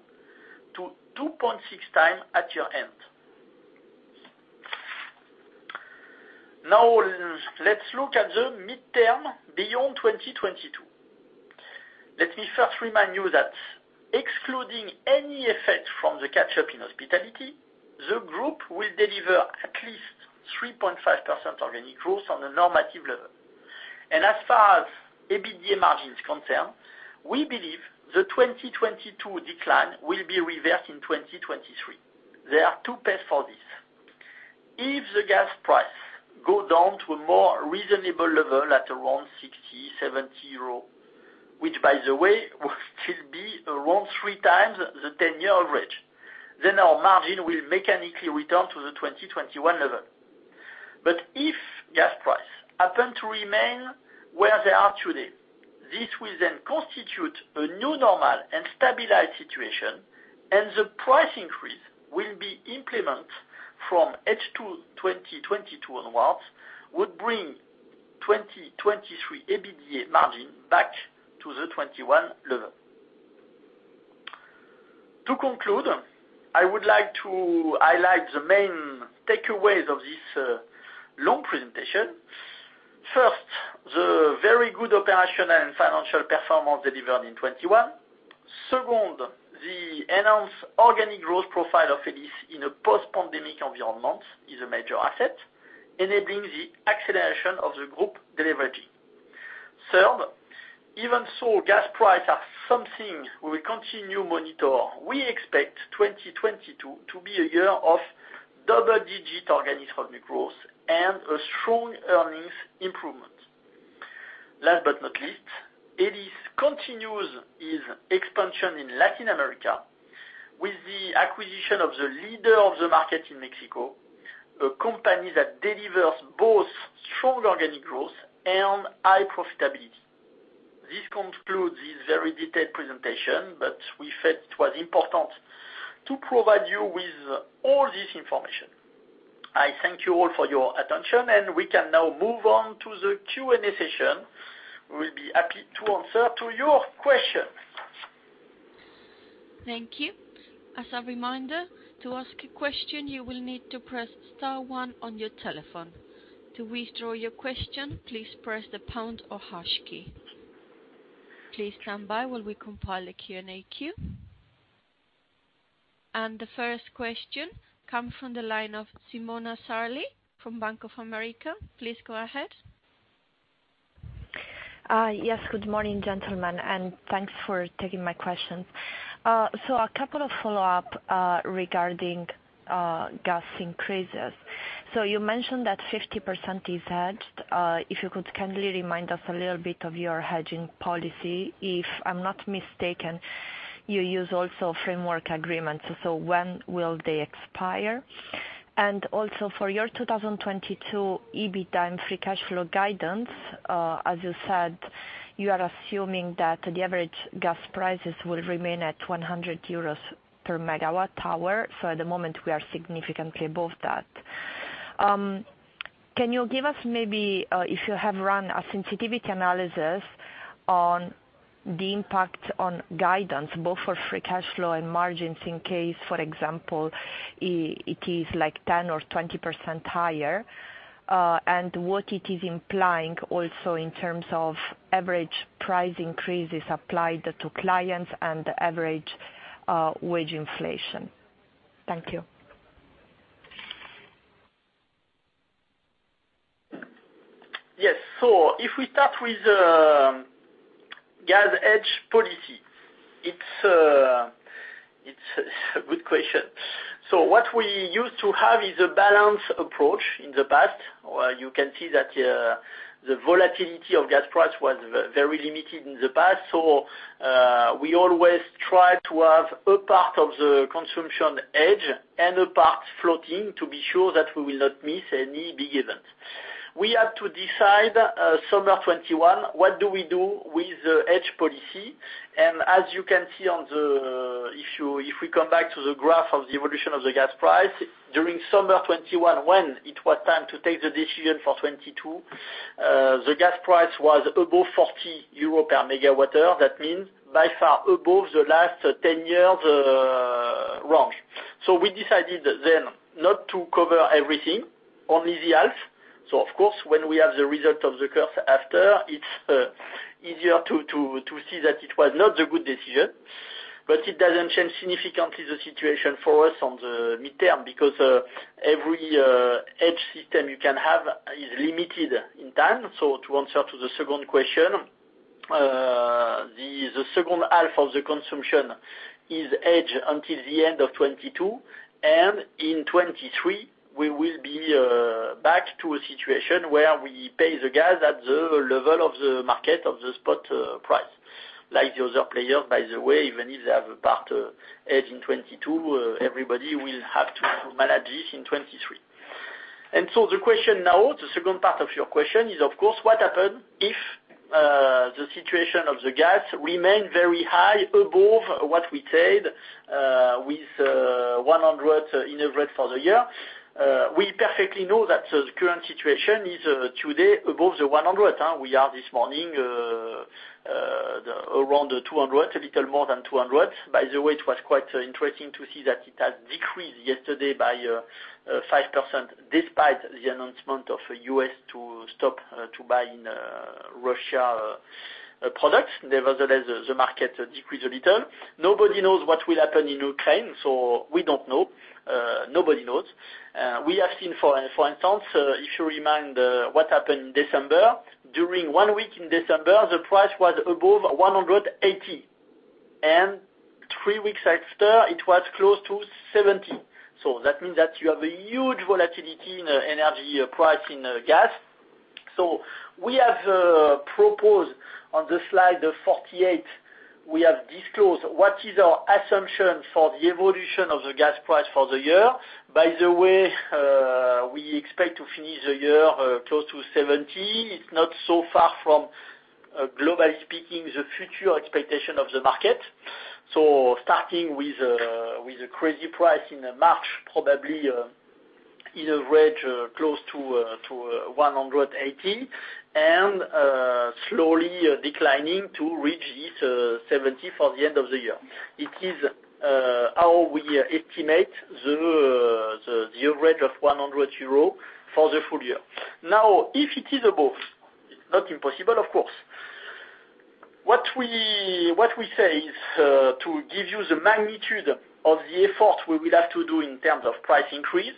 to 2.6x at year end. Now, let's look at the mid-term beyond 2022. Let me first remind you that excluding any effect from the catch-up in hospitality, the group will deliver at least 3.5% organic growth on a normative level. As far as EBITDA margin is concerned, we believe the 2022 decline will be reversed in 2023. There are two paths for this. If the gas price go down to a more reasonable level at around 60 euros-EUR70, which by the way will still be around 3x the 10-year average, then our margin will mechanically return to the 2021 level. If gas price happen to remain where they are today, this will then constitute a new normal and stabilized situation, and the price increase will be implemented from H2 2022 onwards would bring 2023 EBITDA margin back to the 2021 level. To conclude, I would like to highlight the main takeaways of this, long presentation. First, the very good operational and financial performance delivered in 2021. Second, the enhanced organic growth profile of Elis in a post-pandemic environment is a major asset, enabling the acceleration of the group deleveraging. Third, even though gas prices are something we will continue to monitor, we expect 2022 to be a year of double-digit organic revenue growth and a strong earnings improvement. Last but not least, Elis continues its expansion in Latin America with the acquisition of the market leader in Mexico, a company that delivers both strong organic growth and high profitability. This concludes this very detailed presentation, but we felt it was important to provide you with all this information. I thank you all for your attention, and we can now move on to the Q&A session. We'll be happy to answer your questions. The first question comes from the line of Simona Sarli from Bank of America. Please go ahead. Yes. Good morning, gentlemen, and thanks for taking my question. A couple of follow-ups regarding gas increases. You mentioned that 50% is hedged. If you could kindly remind us a little bit of your hedging policy. If I'm not mistaken, you also use framework agreements. When will they expire? And also for your 2022 EBITDA and free cash flow guidance, as you said, you are assuming that the average gas prices will remain at 100 euros per MWh. At the moment, we are significantly above that. Can you give us maybe, if you have run a sensitivity analysis on the impact on guidance both for free cash flow and margins in case, for example, it is like 10% or 20% higher, and what it is implying also in terms of average price increases applied to clients and the average, wage inflation. Thank you. Yes. If we start with gas hedge policy, it's a good question. What we used to have is a balanced approach in the past, where you can see that the volatility of gas price was very limited in the past. We always try to have a part of the consumption hedged and a part floating to be sure that we will not miss any big event. We had to decide summer 2021 what do we do with the hedge policy, and as you can see, if we come back to the graph of the evolution of the gas price during summer 2021, when it was time to take the decision for 2022, the gas price was above 40 euro per MWh. That means by far above the last 10 years' range. We decided then not to cover everything, only the half. Of course, when we have the result of the curve after, it's easier to see that it was not a good decision. It doesn't change significantly the situation for us on the midterm because every hedge system you can have is limited in time. To answer to the second question, the second half of the consumption is hedged until the end of 2022, and in 2023, we will be back to a situation where we pay the gas at the level of the market of the spot price. Like the other players, by the way, even if they have a part hedged in 2022, everybody will have to manage this in 2023. The question now, the second part of your question is, of course, what happen if the situation of the gas remain very high above what we said with 100 in average for the year. We perfectly know that the current situation is today above the 100. We are this morning around 200, a little more than 200. By the way, it was quite interesting to see that it has decreased yesterday by 5% despite the announcement of U.S. to stop to buying Russian products. Nevertheless, the market decreased a little. Nobody knows what will happen in Ukraine, so we don't know. Nobody knows. We have seen, for instance, if you remember what happened in December, during one week in December, the price was above 180, and three weeks after, it was close to 70. That means that you have a huge volatility in the energy price in gas. We have proposed on the slide 48, we have disclosed what is our assumption for the evolution of the gas price for the year. By the way, we expect to finish the year close to 70. It's not so far from, globally speaking, the future expectation of the market. Starting with a crazy price in March, probably, in a range close to 180 and slowly declining to reach this 70 for the end of the year. It is how we estimate the average of 100 euro for the full year. Now, if it is above, it's not impossible, of course. What we say is to give you the magnitude of the effort we will have to do in terms of price increase.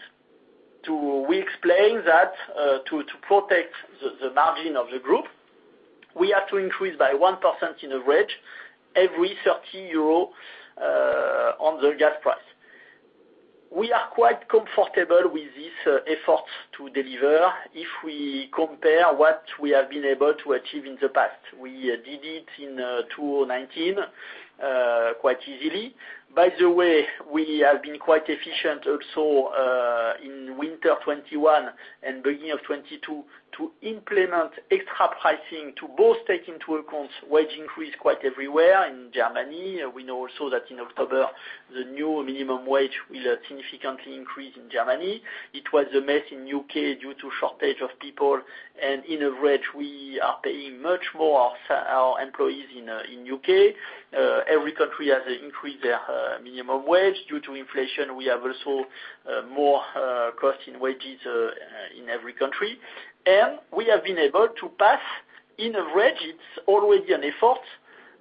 We explain that to protect the margin of the group, we have to increase by 1% in average every 30 euro on the gas price. We are quite comfortable with this effort to deliver if we compare what we have been able to achieve in the past. We did it in 2019 quite easily. By the way, we have been quite efficient also in winter 2021 and beginning of 2022 to implement extra pricing to both take into account wage increase quite everywhere in Germany. We know also that in October, the new minimum wage will significantly increase in Germany. It was the same in the U.K. due to shortage of people, and on average, we are paying much more our our employees in the U.K. Every country has increased their minimum wage. Due to inflation, we have also more cost in wages in every country. We have been able to pass on average; it's always an effort,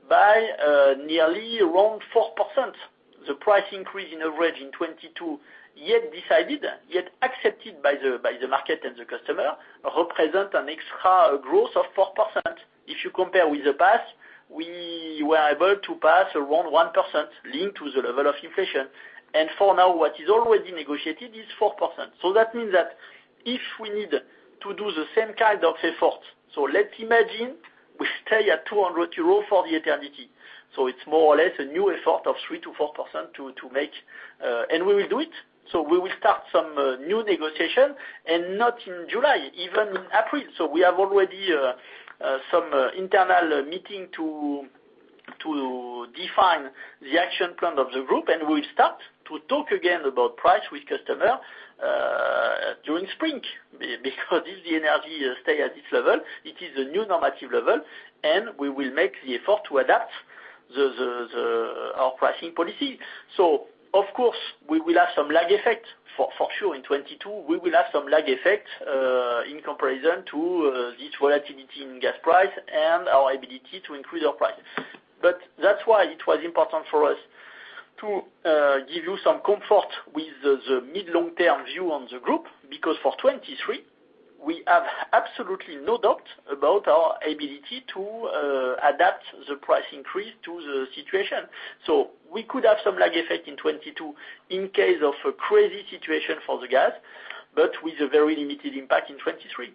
by nearly around 4%. The price increase on average in 2022, already decided, already accepted by the market and the customer, represents an extra growth of 4%. If you compare with the past, we were able to pass around 1% linked to the level of inflation. For now, what is already negotiated is 4%. That means that if we need to do the same kind of effort, let's imagine we stay at 200 euros for eternity. It's more or less a new effort of 3%-4% to make, and we will do it. We will start some new negotiation, and not in July, even April. We have already some internal meeting to define the action plan of the group, and we'll start to talk again about price with customer during spring. Because if the energy stay at this level, it is a new normative level, and we will make the effort to adapt our pricing policy. Of course, we will have some lag effect for sure in 2022. We will have some lag effect, in comparison to this volatility in gas price and our ability to increase our price. That's why it was important for us to give you some comfort with the mid/long-term view on the group. Because for 2023, we have absolutely no doubt about our ability to adapt the price increase to the situation. We could have some lag effect in 2022 in case of a crazy situation for the gas, but with a very limited impact in 2023.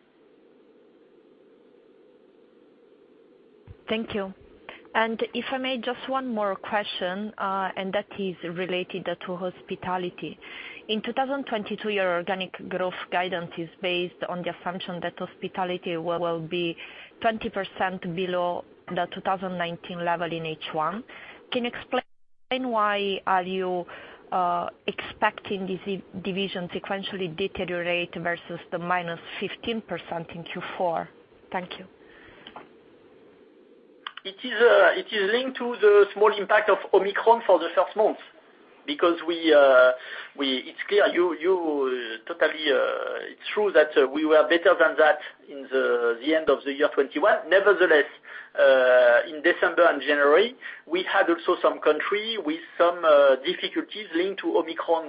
Thank you. If I may, just one more question, and that is related to hospitality. In 2022, your organic growth guidance is based on the assumption that hospitality will be 20% below the 2019 level in H1. Can you explain why are you expecting this division sequentially deteriorate versus the -15% in Q4? Thank you. It is linked to the small impact of Omicron for the first month because we. It's clear you totally. It's true that we were better than that in the end of the year 2021. Nevertheless, in December and January, we had also some countries with some difficulties linked to Omicron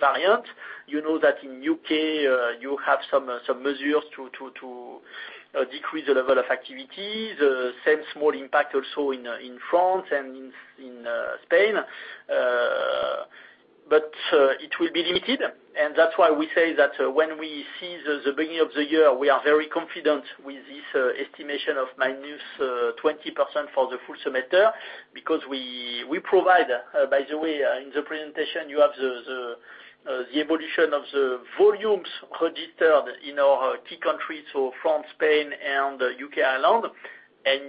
variant. You know that in U.K. you have some measures to decrease the level of activity. The same small impact also in France and in Spain. It will be limited, and that's why we say that when we see the beginning of the year, we are very confident with this estimation of -20% for the full semester. Because we provide, by the way, in the presentation, you have the evolution of the volumes registered in our key countries, so France, Spain, and U.K., Ireland.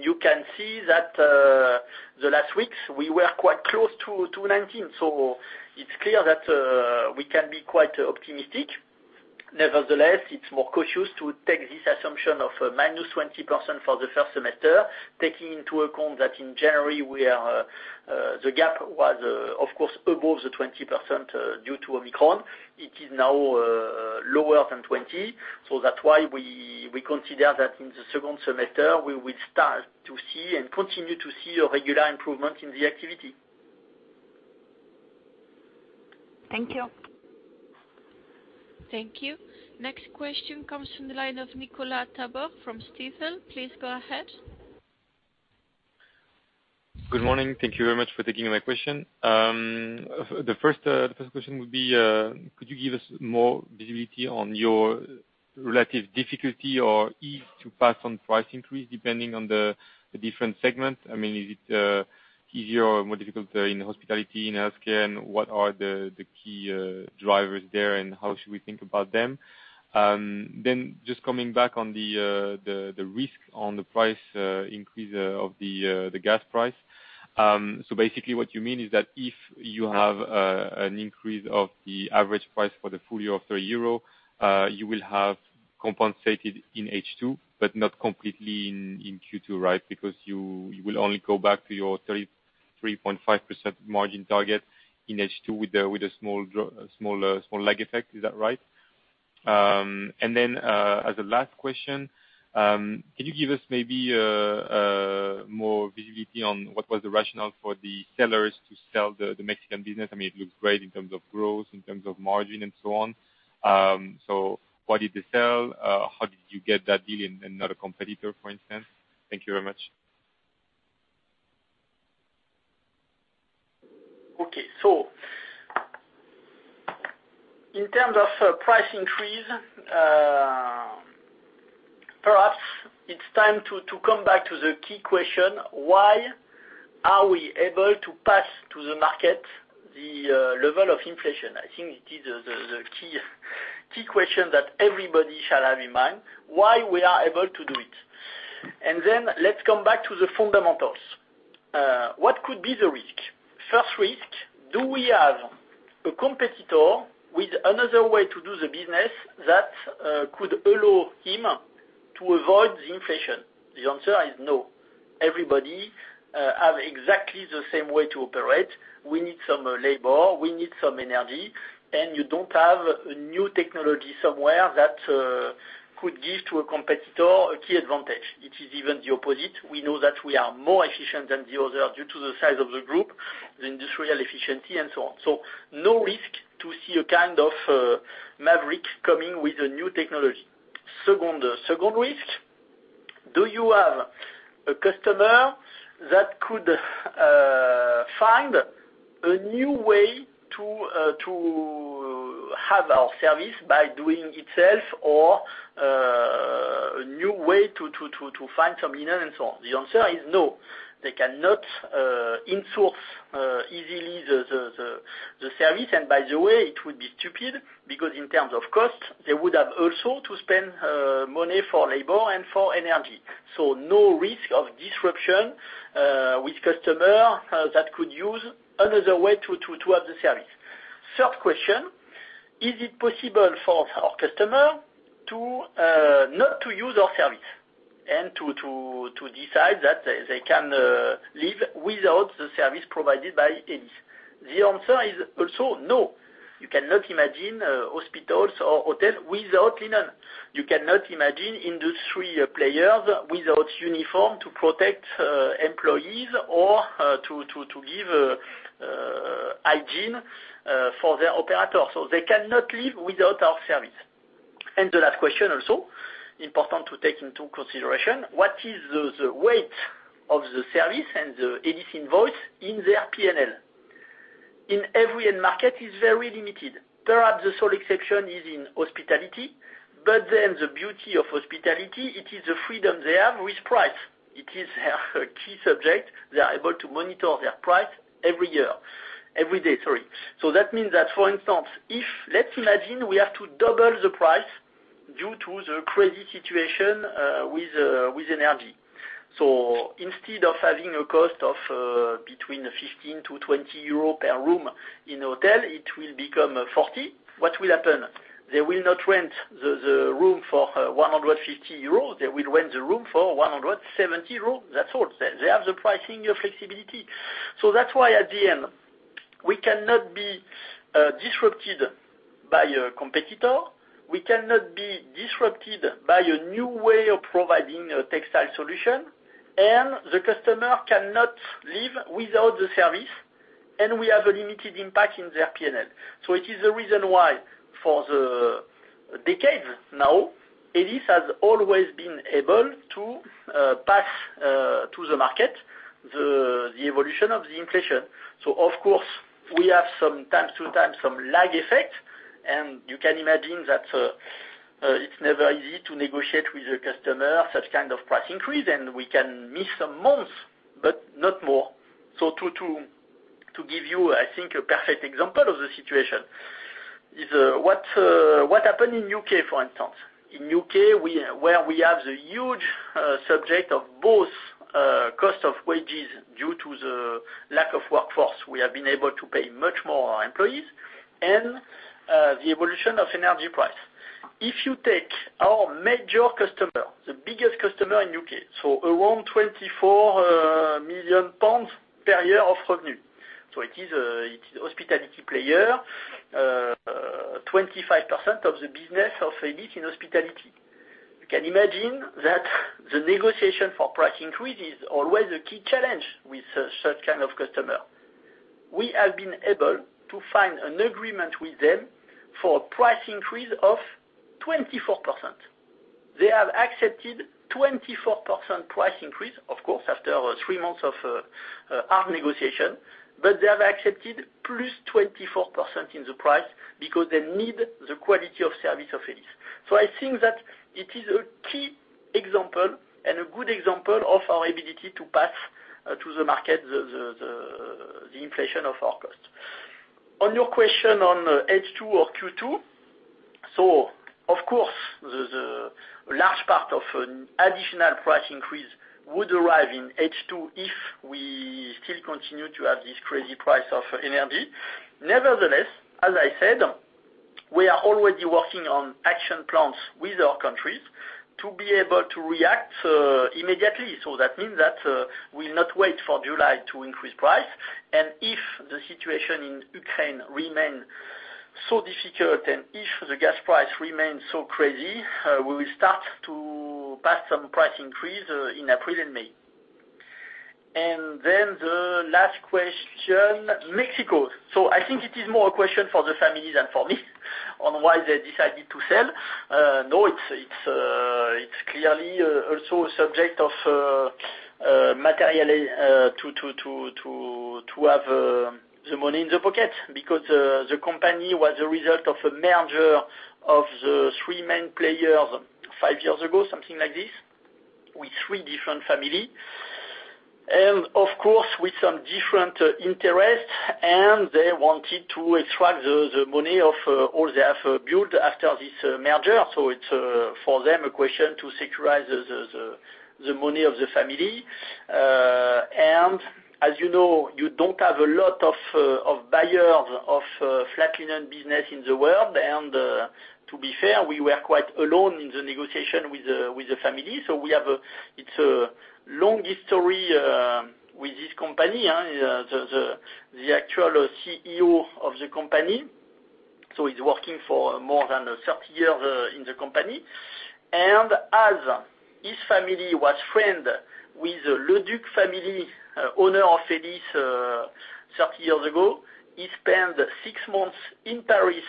You can see that in the last weeks, we were quite close to 19%. It's clear that we can be quite optimistic. Nevertheless, it's more cautious to take this assumption of minus 20% for the first semester, taking into account that in January the gap was, of course, above the 20% due to Omicron. It is now lower than 20%. That's why we consider that in the second semester, we will start to see and continue to see a regular improvement in the activity. Thank you. Thank you. Next question comes from the line of Nicolas Tabor from Stifel. Please go ahead. Good morning. Thank you very much for taking my question. The first question would be, could you give us more visibility on your relative difficulty or ease to pass on price increase depending on the different segments? I mean, is it easier or more difficult in hospitality, in healthcare, and what are the key drivers there, and how should we think about them? Just coming back on the risk on the price increase of the gas price. So basically what you mean is that if you have an increase of the average price for the full year of 3 euro, you will have compensated in H2, but not completely in Q2, right? Because you will only go back to your 33.5% margin target in H2 with a small lag effect. Is that right? As a last question, can you give us maybe more visibility on what was the rationale for the sellers to sell the Mexican business? I mean, it looks great in terms of growth, in terms of margin and so on. Why did they sell? How did you get that deal and not a competitor, for instance? Thank you very much. Okay. In terms of price increase, perhaps it's time to come back to the key question. Why are we able to pass to the market the level of inflation? I think it is the key question that everybody shall have in mind, why we are able to do it. Let's come back to the fundamentals. What could be the risk? First risk. Do we have a competitor with another way to do the business that could allow him to avoid the inflation? The answer is no. Everybody have exactly the same way to operate. We need some labor, we need some energy, and you don't have a new technology somewhere that could give to a competitor a key advantage. It is even the opposite. We know that we are more efficient than the other due to the size of the group, the industrial efficiency, and so on. No risk to see a kind of maverick coming with a new technology. Second risk: Do you have a customer that could find a new way to have our service by doing itself or a new way to find some internet and so on? The answer is no. They cannot insource easily the service. By the way, it would be stupid because in terms of cost, they would have also to spend money for labor and for energy. No risk of disruption with customer that could use another way to have the service. Third question, is it possible for our customer to not to use our service and to decide that they can live without the service provided by Elis? The answer is also no. You cannot imagine hospitals or hotel without linen. You cannot imagine industry players without uniform to protect employees or to give hygiene for their operators, so they cannot live without our service. The last question also, important to take into consideration, what is the weight of the service and the Elis invoice in their P&L? In every end market is very limited. Perhaps the sole exception is in hospitality, but then the beauty of hospitality, it is the freedom they have with price. It is their key subject. They are able to monitor their price every year. Every day, sorry. That means that, for instance, if let's imagine we have to double the price due to the crazy situation with energy. Instead of having a cost of between 15-20 euro per room in hotel, it will become 40. What will happen? They will not rent the room for 150 euro. They will rent the room for 170 euro. That's all. They have the pricing flexibility. That's why at the end, we cannot be disrupted by a competitor. We cannot be disrupted by a new way of providing a textile solution, and the customer cannot live without the service, and we have a limited impact in their P&L. It is the reason why, for the decades now, Elis has always been able to pass to the market the evolution of the inflation. Of course, we have from time to time some lag effect, and you can imagine that it's never easy to negotiate with a customer such kind of price increase, and we can miss some months, but not more. To give you, I think, a perfect example of the situation is what happened in the U.K., for instance. In the U.K., where we have the huge subject of both cost of wages due to the lack of workforce, we have been able to pay much more our employees, and the evolution of energy price. If you take our major customer, the biggest customer in U.K., so around 24 million pounds per year of revenue, so it is, it's hospitality player, 25% of the business of Elis in hospitality. You can imagine that the negotiation for price increase is always a key challenge with such kind of customer. We have been able to find an agreement with them for a price increase of 24%. They have accepted 24% price increase, of course, after three months of hard negotiation, but they have accepted plus 24% in the price because they need the quality of service of Elis. I think that it is a key example and a good example of our ability to pass to the market the inflation of our cost. On your question on H2 or Q2, of course the large part of an additional price increase would arrive in H2 if we still continue to have this crazy price of energy. Nevertheless, as I said, we are already working on action plans with our countries to be able to react immediately. That means that we'll not wait for July to increase price. If the situation in Ukraine remain so difficult and if the gas price remains so crazy, we will start to pass some price increase in April and May. The last question, Mexico. I think it is more a question for the families than for me on why they decided to sell. No, it's clearly also a subject of materiality to have the money in the pocket because the company was a result of a merger of the three main players five years ago, something like this, with three different families, and of course with some different interests, and they wanted to extract the money of all they have built after this merger. It's for them a question to secure the money of the family. And as you know, you don't have a lot of buyers of flat linen business in the world. To be fair, we were quite alone in the negotiation with the family. We have a... It's a long history with this company, the actual CEO of the company. He's working for more than 30 years in the company. As his family was friend with Leducq family, owner of Elis, 30 years ago, he spent six months in Paris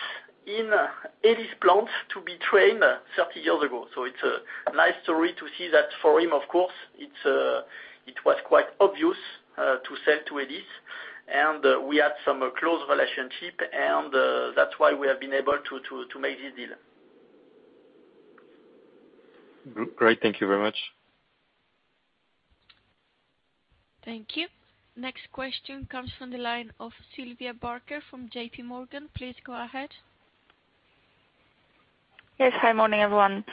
in Elis plant to be trained 30 years ago. It's a nice story to see that for him, of course, it was quite obvious to sell to Elis. We had some close relationship and that's why we have been able to make this deal. Great. Thank you very much. Thank you. Next question comes from the line of Sylvia Barker from J.P. Morgan. Please go ahead. Yes. Hi. Morning, everyone.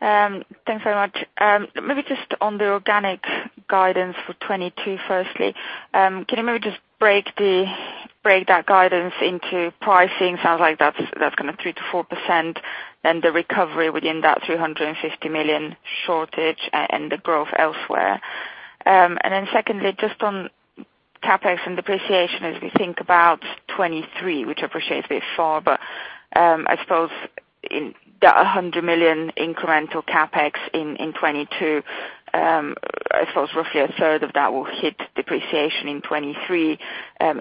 Thanks very much. Maybe just on the organic guidance for 2022, firstly. Can you maybe just break that guidance into pricing? Sounds like that's kind of 3%-4%, then the recovery within that 350 million shortage and the growth elsewhere. Secondly, just on CapEx and depreciation, as we think about 2023, which I appreciate, but I suppose in the hundred million incremental CapEx in 2022, I suppose roughly 1/3 of that will hit depreciation in 2023.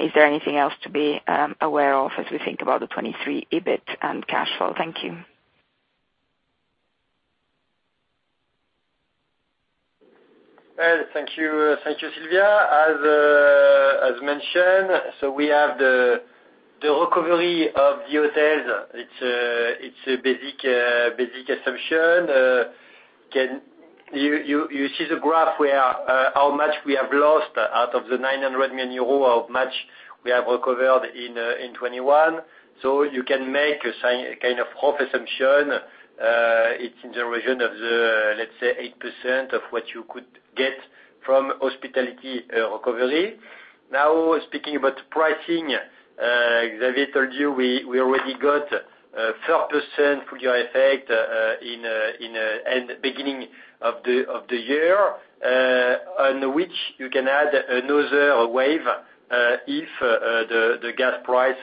Is there anything else to be aware of as we think about the 2023 EBIT and cash flow? Thank you. Well, thank you. Thank you, Sylvia. As mentioned, we have the recovery of the hotels. It's a basic assumption. You see the graph where how much we have lost out of the 900 million euro, how much we have recovered in 2021. You can make a simple kind of half assumption, it's in the region of, let's say, 8% of what you could get from hospitality recovery. Speaking about pricing, Xavier told you, we already got 4% full year effect in the beginning of the year, on which you can add another wave if the gas price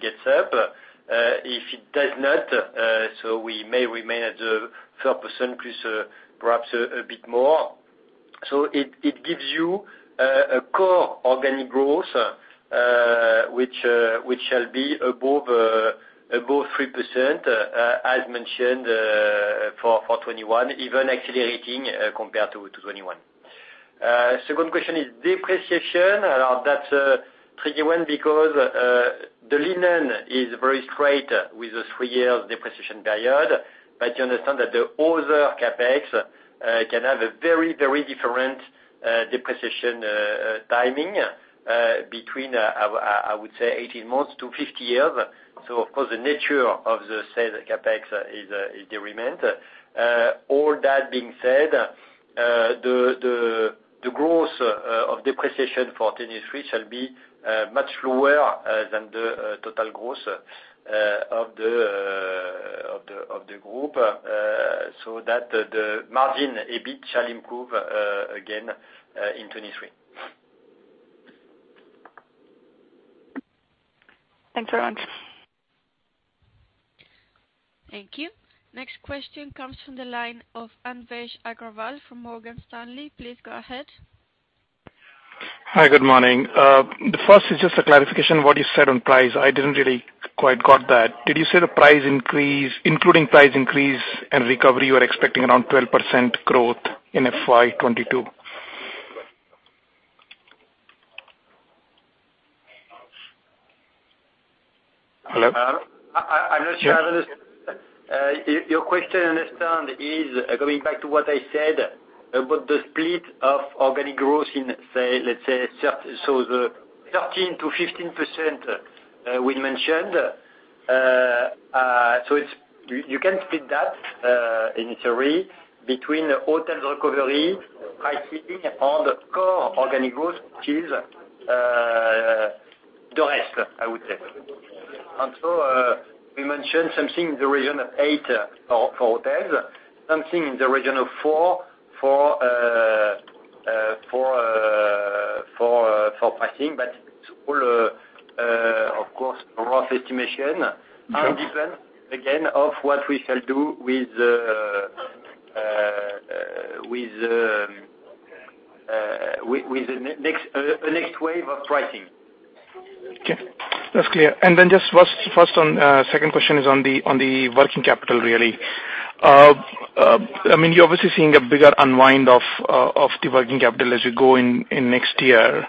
gets up. If it does not, we may remain at 4%+, perhaps a bit more. It gives you a core organic growth which shall be above 3%, as mentioned, for 2021, even accelerating compared to 2021. Second question is depreciation. That's a tricky one because the linen is very straight with the three-year depreciation period. You understand that the other CapEx can have a very different depreciation timing between, I would say, 18 months to 50 years. Of course, the nature of the said CapEx is different. All that being said, the growth of depreciation for 2023 shall be much lower than the total growth of the group. So that the margin, EBIT shall improve again in 2023. Thanks very much. Thank you. Next question comes from the line of Anvesh Agrawal from Morgan Stanley. Please go ahead. Hi, good morning. The first is just a clarification what you said on price. I didn't really quite got that. Did you say the price increase including price increase and recovery, you are expecting around 12% growth in FY 2022? Hello? I'm not sure I understand your question. It is going back to what I said about the split of organic growth in, say, let's say 13%-15% we mentioned. You can split that in theory between hotels recovery, pricing, and core organic growth is the rest, I would say. We mentioned something in the region of 8% for hotels. Something in the region of 4% for pricing. It's all of course rough estimation and depend again of what we shall do with the next wave of pricing. Okay. That's clear. Just first on second question is on the working capital really. I mean, you're obviously seeing a bigger unwind of the working capital as you go in next year.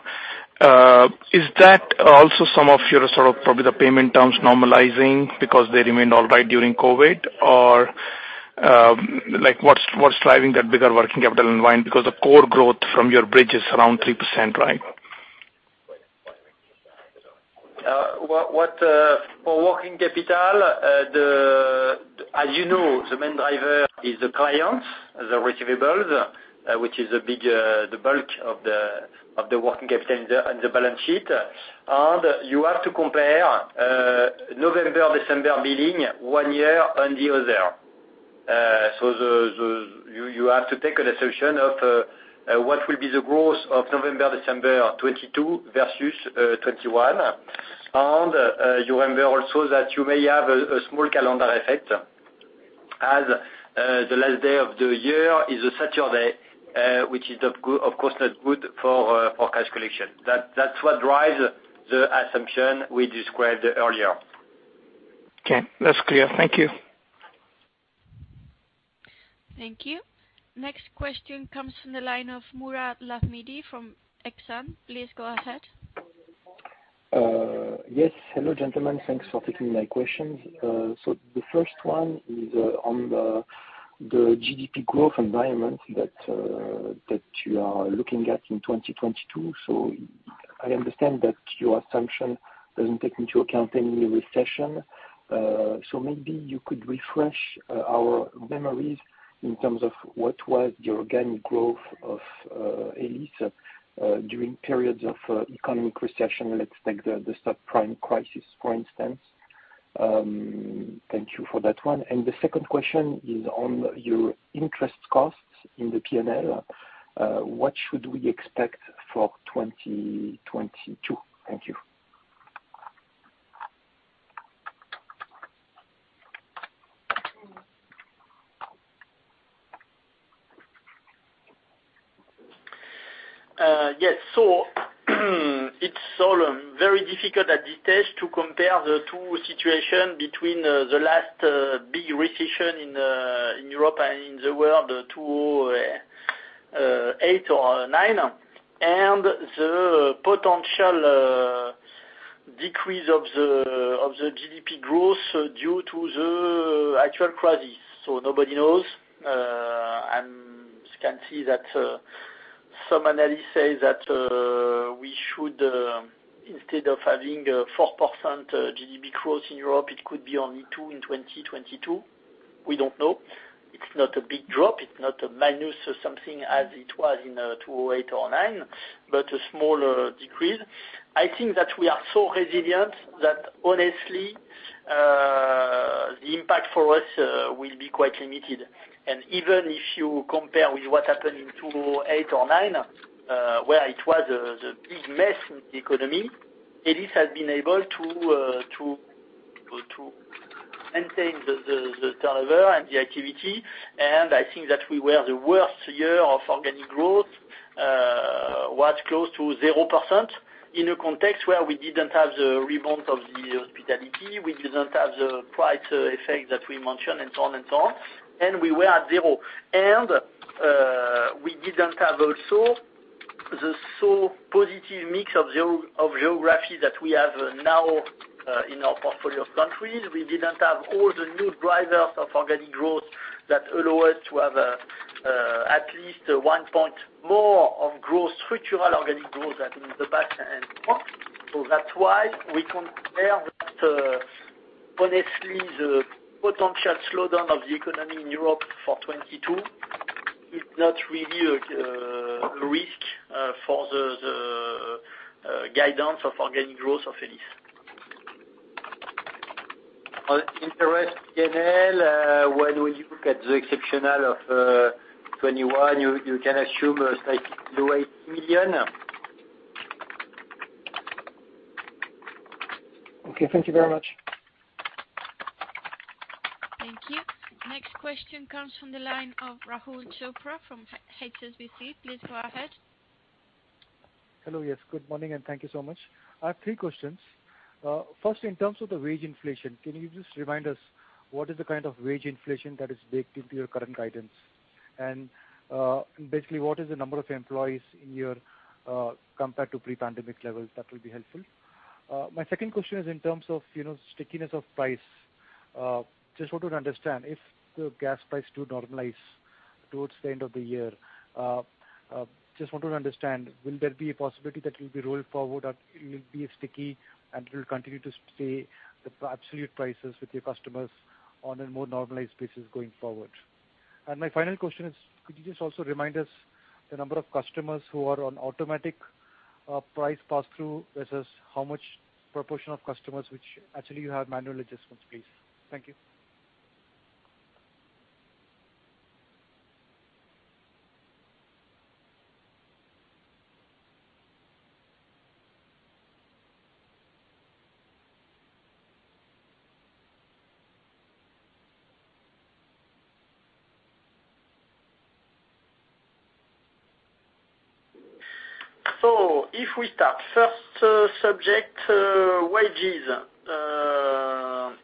Is that also some of your sort of probably the payment terms normalizing because they remained all right during COVID? Or, like, what's driving that bigger working capital unwind? Because the core growth from your bridge is around 3%, right? As you know, the main driver is the clients, the receivables, which is a big, the bulk of the working capital in the balance sheet. You have to compare November, December billing one year and the other. You have to take an assumption of what will be the growth of November, December 2022 versus 2021. You remember also that you may have a small calendar effect as the last day of the year is a Saturday, which is of course not good for cash collection. That's what drives the assumption we described earlier. Okay. That's clear. Thank you. Thank you. Next question comes from the line of Mourad Lahmidi from Exane. Please go ahead. Yes. Hello, gentlemen. Thanks for taking my questions. The first one is on the GDP growth environment that you are looking at in 2022. I understand that your assumption doesn't take into account any recession. Maybe you could refresh our memories in terms of what was the organic growth of Elis during periods of economic recession. Let's take the subprime crisis, for instance. Thank you for that one. The second question is on your interest costs in the P&L. What should we expect for 2022? Thank you. Yes. It's all very difficult at this stage to compare the two situations between the last big recession in Europe and in the world, 2008 or 2009, and the potential decrease of the GDP growth due to the actual crisis. Nobody knows. One can see that some analysts say that we should instead of having a 4% GDP growth in Europe, it could be only 2% in 2022. We don't know. It's not a big drop. It's not a minus or something as it was in 2008 or 2009, but a smaller decrease. I think that we are so resilient that honestly the impact for us will be quite limited. Even if you compare with what happened in 2008 or 2009, where it was the big mess in the economy, Elis has been able to maintain the turnover and the activity. I think that we were the worst year of organic growth was close to 0% in a context where we didn't have the rebound of the hospitality. We didn't have the price effect that we mentioned and so on. We were at zero. We didn't have also the so positive mix of geo- geographies that we have now in our portfolio of countries. We didn't have all the new drivers of organic growth that allow us to have at least one point more of growth, structural organic growth than in the past and so on. That's why we compare that, honestly, the potential slowdown of the economy in Europe for 2022 is not really a risk for the guidance of organic growth of Elis. On interest P&L, when we look at the exceptional of 2021, you can assume it's like low 80 million. Okay. Thank you very much. Thank you. Next question comes from the line of Rahul Chopra from HSBC. Please go ahead. Hello. Yes, good morning, and thank you so much. I have three questions. First, in terms of the wage inflation, can you just remind us what is the kind of wage inflation that is baked into your current guidance? And, basically what is the number of employees in yours compared to pre-pandemic levels? That will be helpful. My second question is in terms of, you know, stickiness of price. Just want to understand if the gas price does normalize towards the end of the year, will there be a possibility that you'll be rolled forward, or it will be sticky, and will continue to stay the absolute prices with your customers on a more normalized basis going forward? My final question is, could you just also remind us the number of customers who are on automatic price pass-through versus how much proportion of customers which actually you have manual adjustments, please? Thank you. If we start, first subject, wages.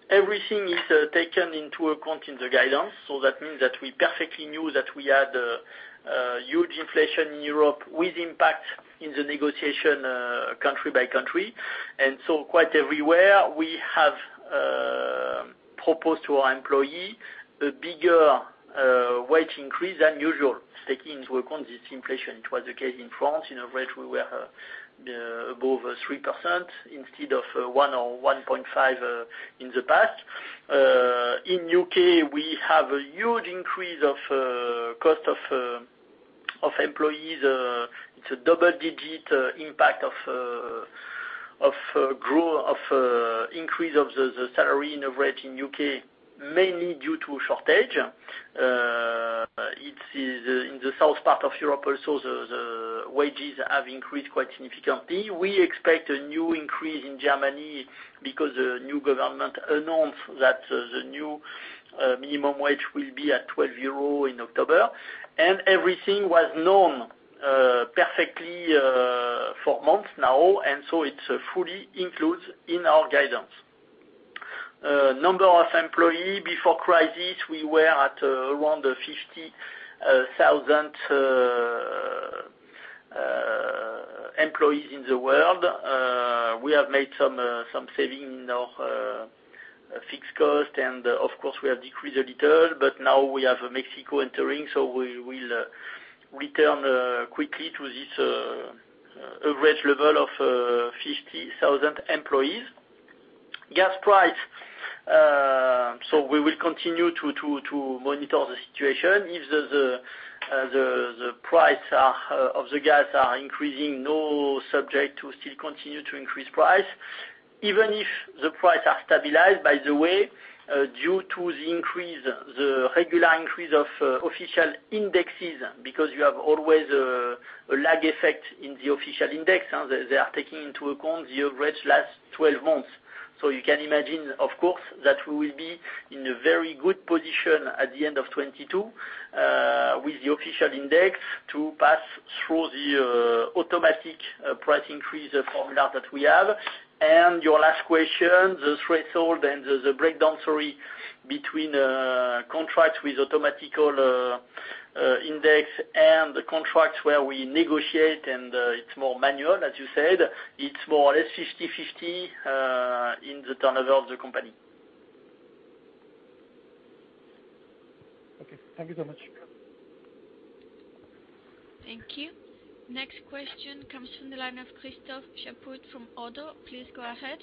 Everything is taken into account in the guidance. That means that we perfectly knew that we had a huge inflation in Europe with impact in the negotiation, country by country. Quite everywhere, we have proposed to our employee a bigger wage increase than usual, taking into account this inflation. It was the case in France. In average, we were above 3% instead of 1% or 1.5% in the past. In U.K., we have a huge increase of cost of employees. It's a double-digit impact of increase of the salary in average in U.K., mainly due to shortage. It is in the south part of Europe also, the wages have increased quite significantly. We expect a new increase in Germany because the new government announced that the minimum wage will be at 12 euro in October. Everything was known perfectly for months now. So it's fully included in our guidance. Number of employee before crisis, we were at around 50,000 employees in the world. We have made some saving in our fixed cost, and of course we have decreased a little, but now we have Mexico entering, so we will return quickly to this average level of 50,000 employees. Gas price. So we will continue to monitor the situation. If the price of the gas are increasing, we subject to still continue to increase price. Even if the price are stabilized, by the way, due to the increase, the regular increase of official indexes, because you have always a lag effect in the official index. They are taking into account the average last 12 months. So you can imagine, of course, that we will be in a very good position at the end of 2022 with the official index to pass through the automatic price increase formula that we have. Your last question, the threshold and the breakdown, sorry, between contracts with automatic index and the contracts where we negotiate and it's more manual, as you said, it's more or less 50/50 in the turnover of the company. Okay, thank you so much. Thank you. Next question comes from the line of Christophe Chaput from ODDO BHF. Please go ahead.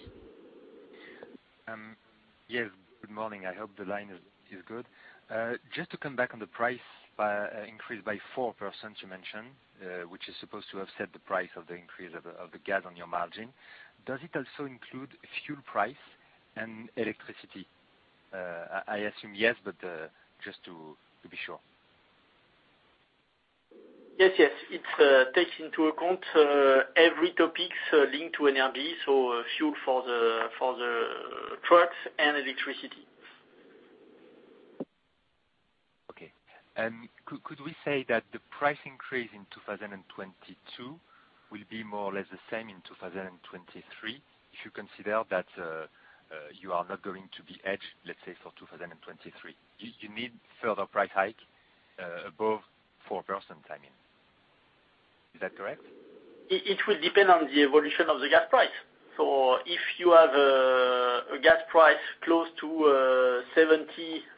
Yes, good morning, I hope the line is good. Just to come back on the price increase by 4% you mentioned, which is supposed to offset the increase in the price of the gas on your margin. Does it also include fuel price and electricity? I assume yes, but just to be sure. Yes, yes. It takes into account every topics linked to NRE, so fuel for the trucks and electricity. Okay. Could we say that the price increase in 2022 will be more or less the same in 2023, if you consider that you are not going to be hedged, let's say, for 2023? Do you need further price hike above 4%, I mean? Is that correct? It will depend on the evolution of the gas price. If you have a gas price close to 70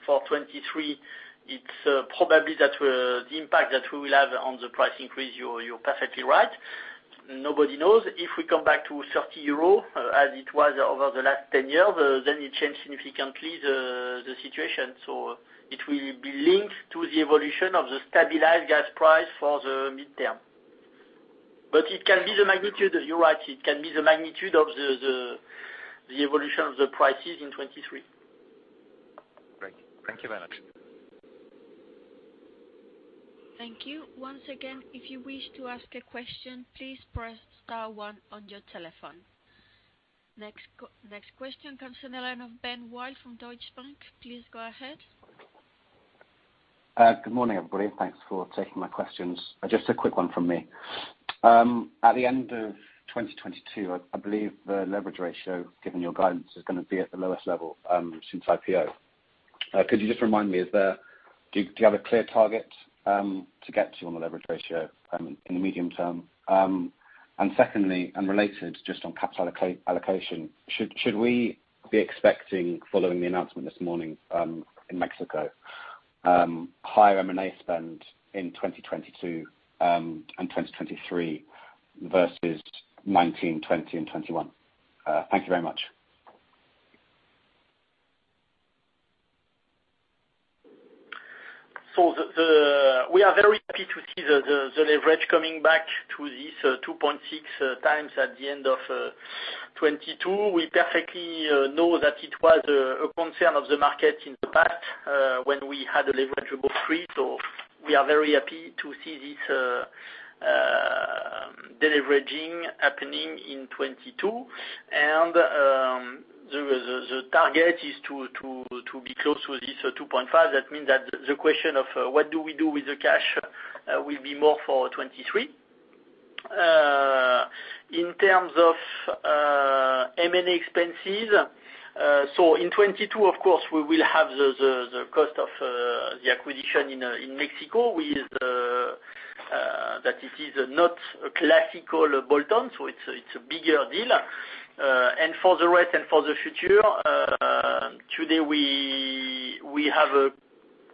for 2023, it's probably that the impact that we will have on the price increase, you're perfectly right. Nobody knows. If we come back to 30 euros, as it was over the last 10 years, then it change significantly the situation. It will be linked to the evolution of the stabilized gas price for the midterm. It can be the magnitude, you're right, it can be the magnitude of the evolution of the prices in 2023. Great. Thank you very much. Thank you. Once again, if you wish to ask a question, please press star one on your telephone. Next question comes from the line of Benjamin Wildi from Deutsche Bank. Please go ahead. Good morning, everybody. Thanks for taking my questions. Just a quick one from me. At the end of 2022, I believe the leverage ratio, given your guidance, is gonna be at the lowest level since IPO. Could you just remind me, do you have a clear target to get to on the leverage ratio in the medium term? And secondly, and related just on capital allocation, should we be expecting, following the announcement this morning in Mexico, higher M&A spend in 2022 and 2023 versus 2019, 2020, and 2021? Thank you very much. We are very happy to see the leverage coming back to this 2.6x at the end of 2022. We perfectly know that it was a concern of the market in the past when we had a leverage above 3x. We are very happy to see this deleveraging happening in 2022. The target is to be close to this 2.5x. That means that the question of what do we do with the cash will be more for 2023. In terms of M&A expenses, so in 2022, of course, we will have the cost of the acquisition in Mexico. That it is not a classical bolt-on, so it's a bigger deal. For the rest and for the future, today we have a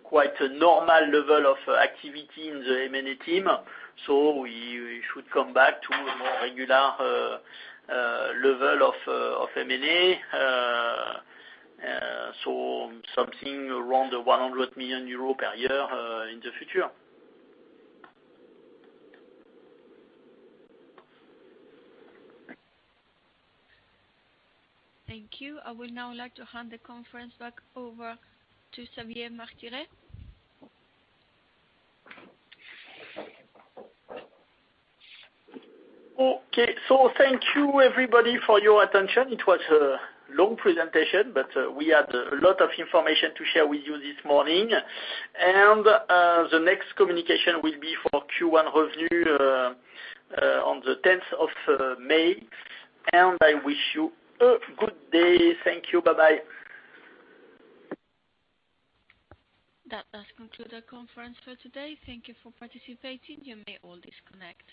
quite normal level of activity in the M&A team. We should come back to a more regular level of M&A. Something around 100 million euro per year in the future. Thank you. I would now like to hand the conference back over to Xavier Martiré. Okay. Thank you, everybody, for your attention. It was a long presentation, but we had a lot of information to share with you this morning. The next communication will be for Q1 revenue on the 10th of May. I wish you a good day. Thank you. Bye-bye. That does conclude our conference for today. Thank you for participating. You may all disconnect.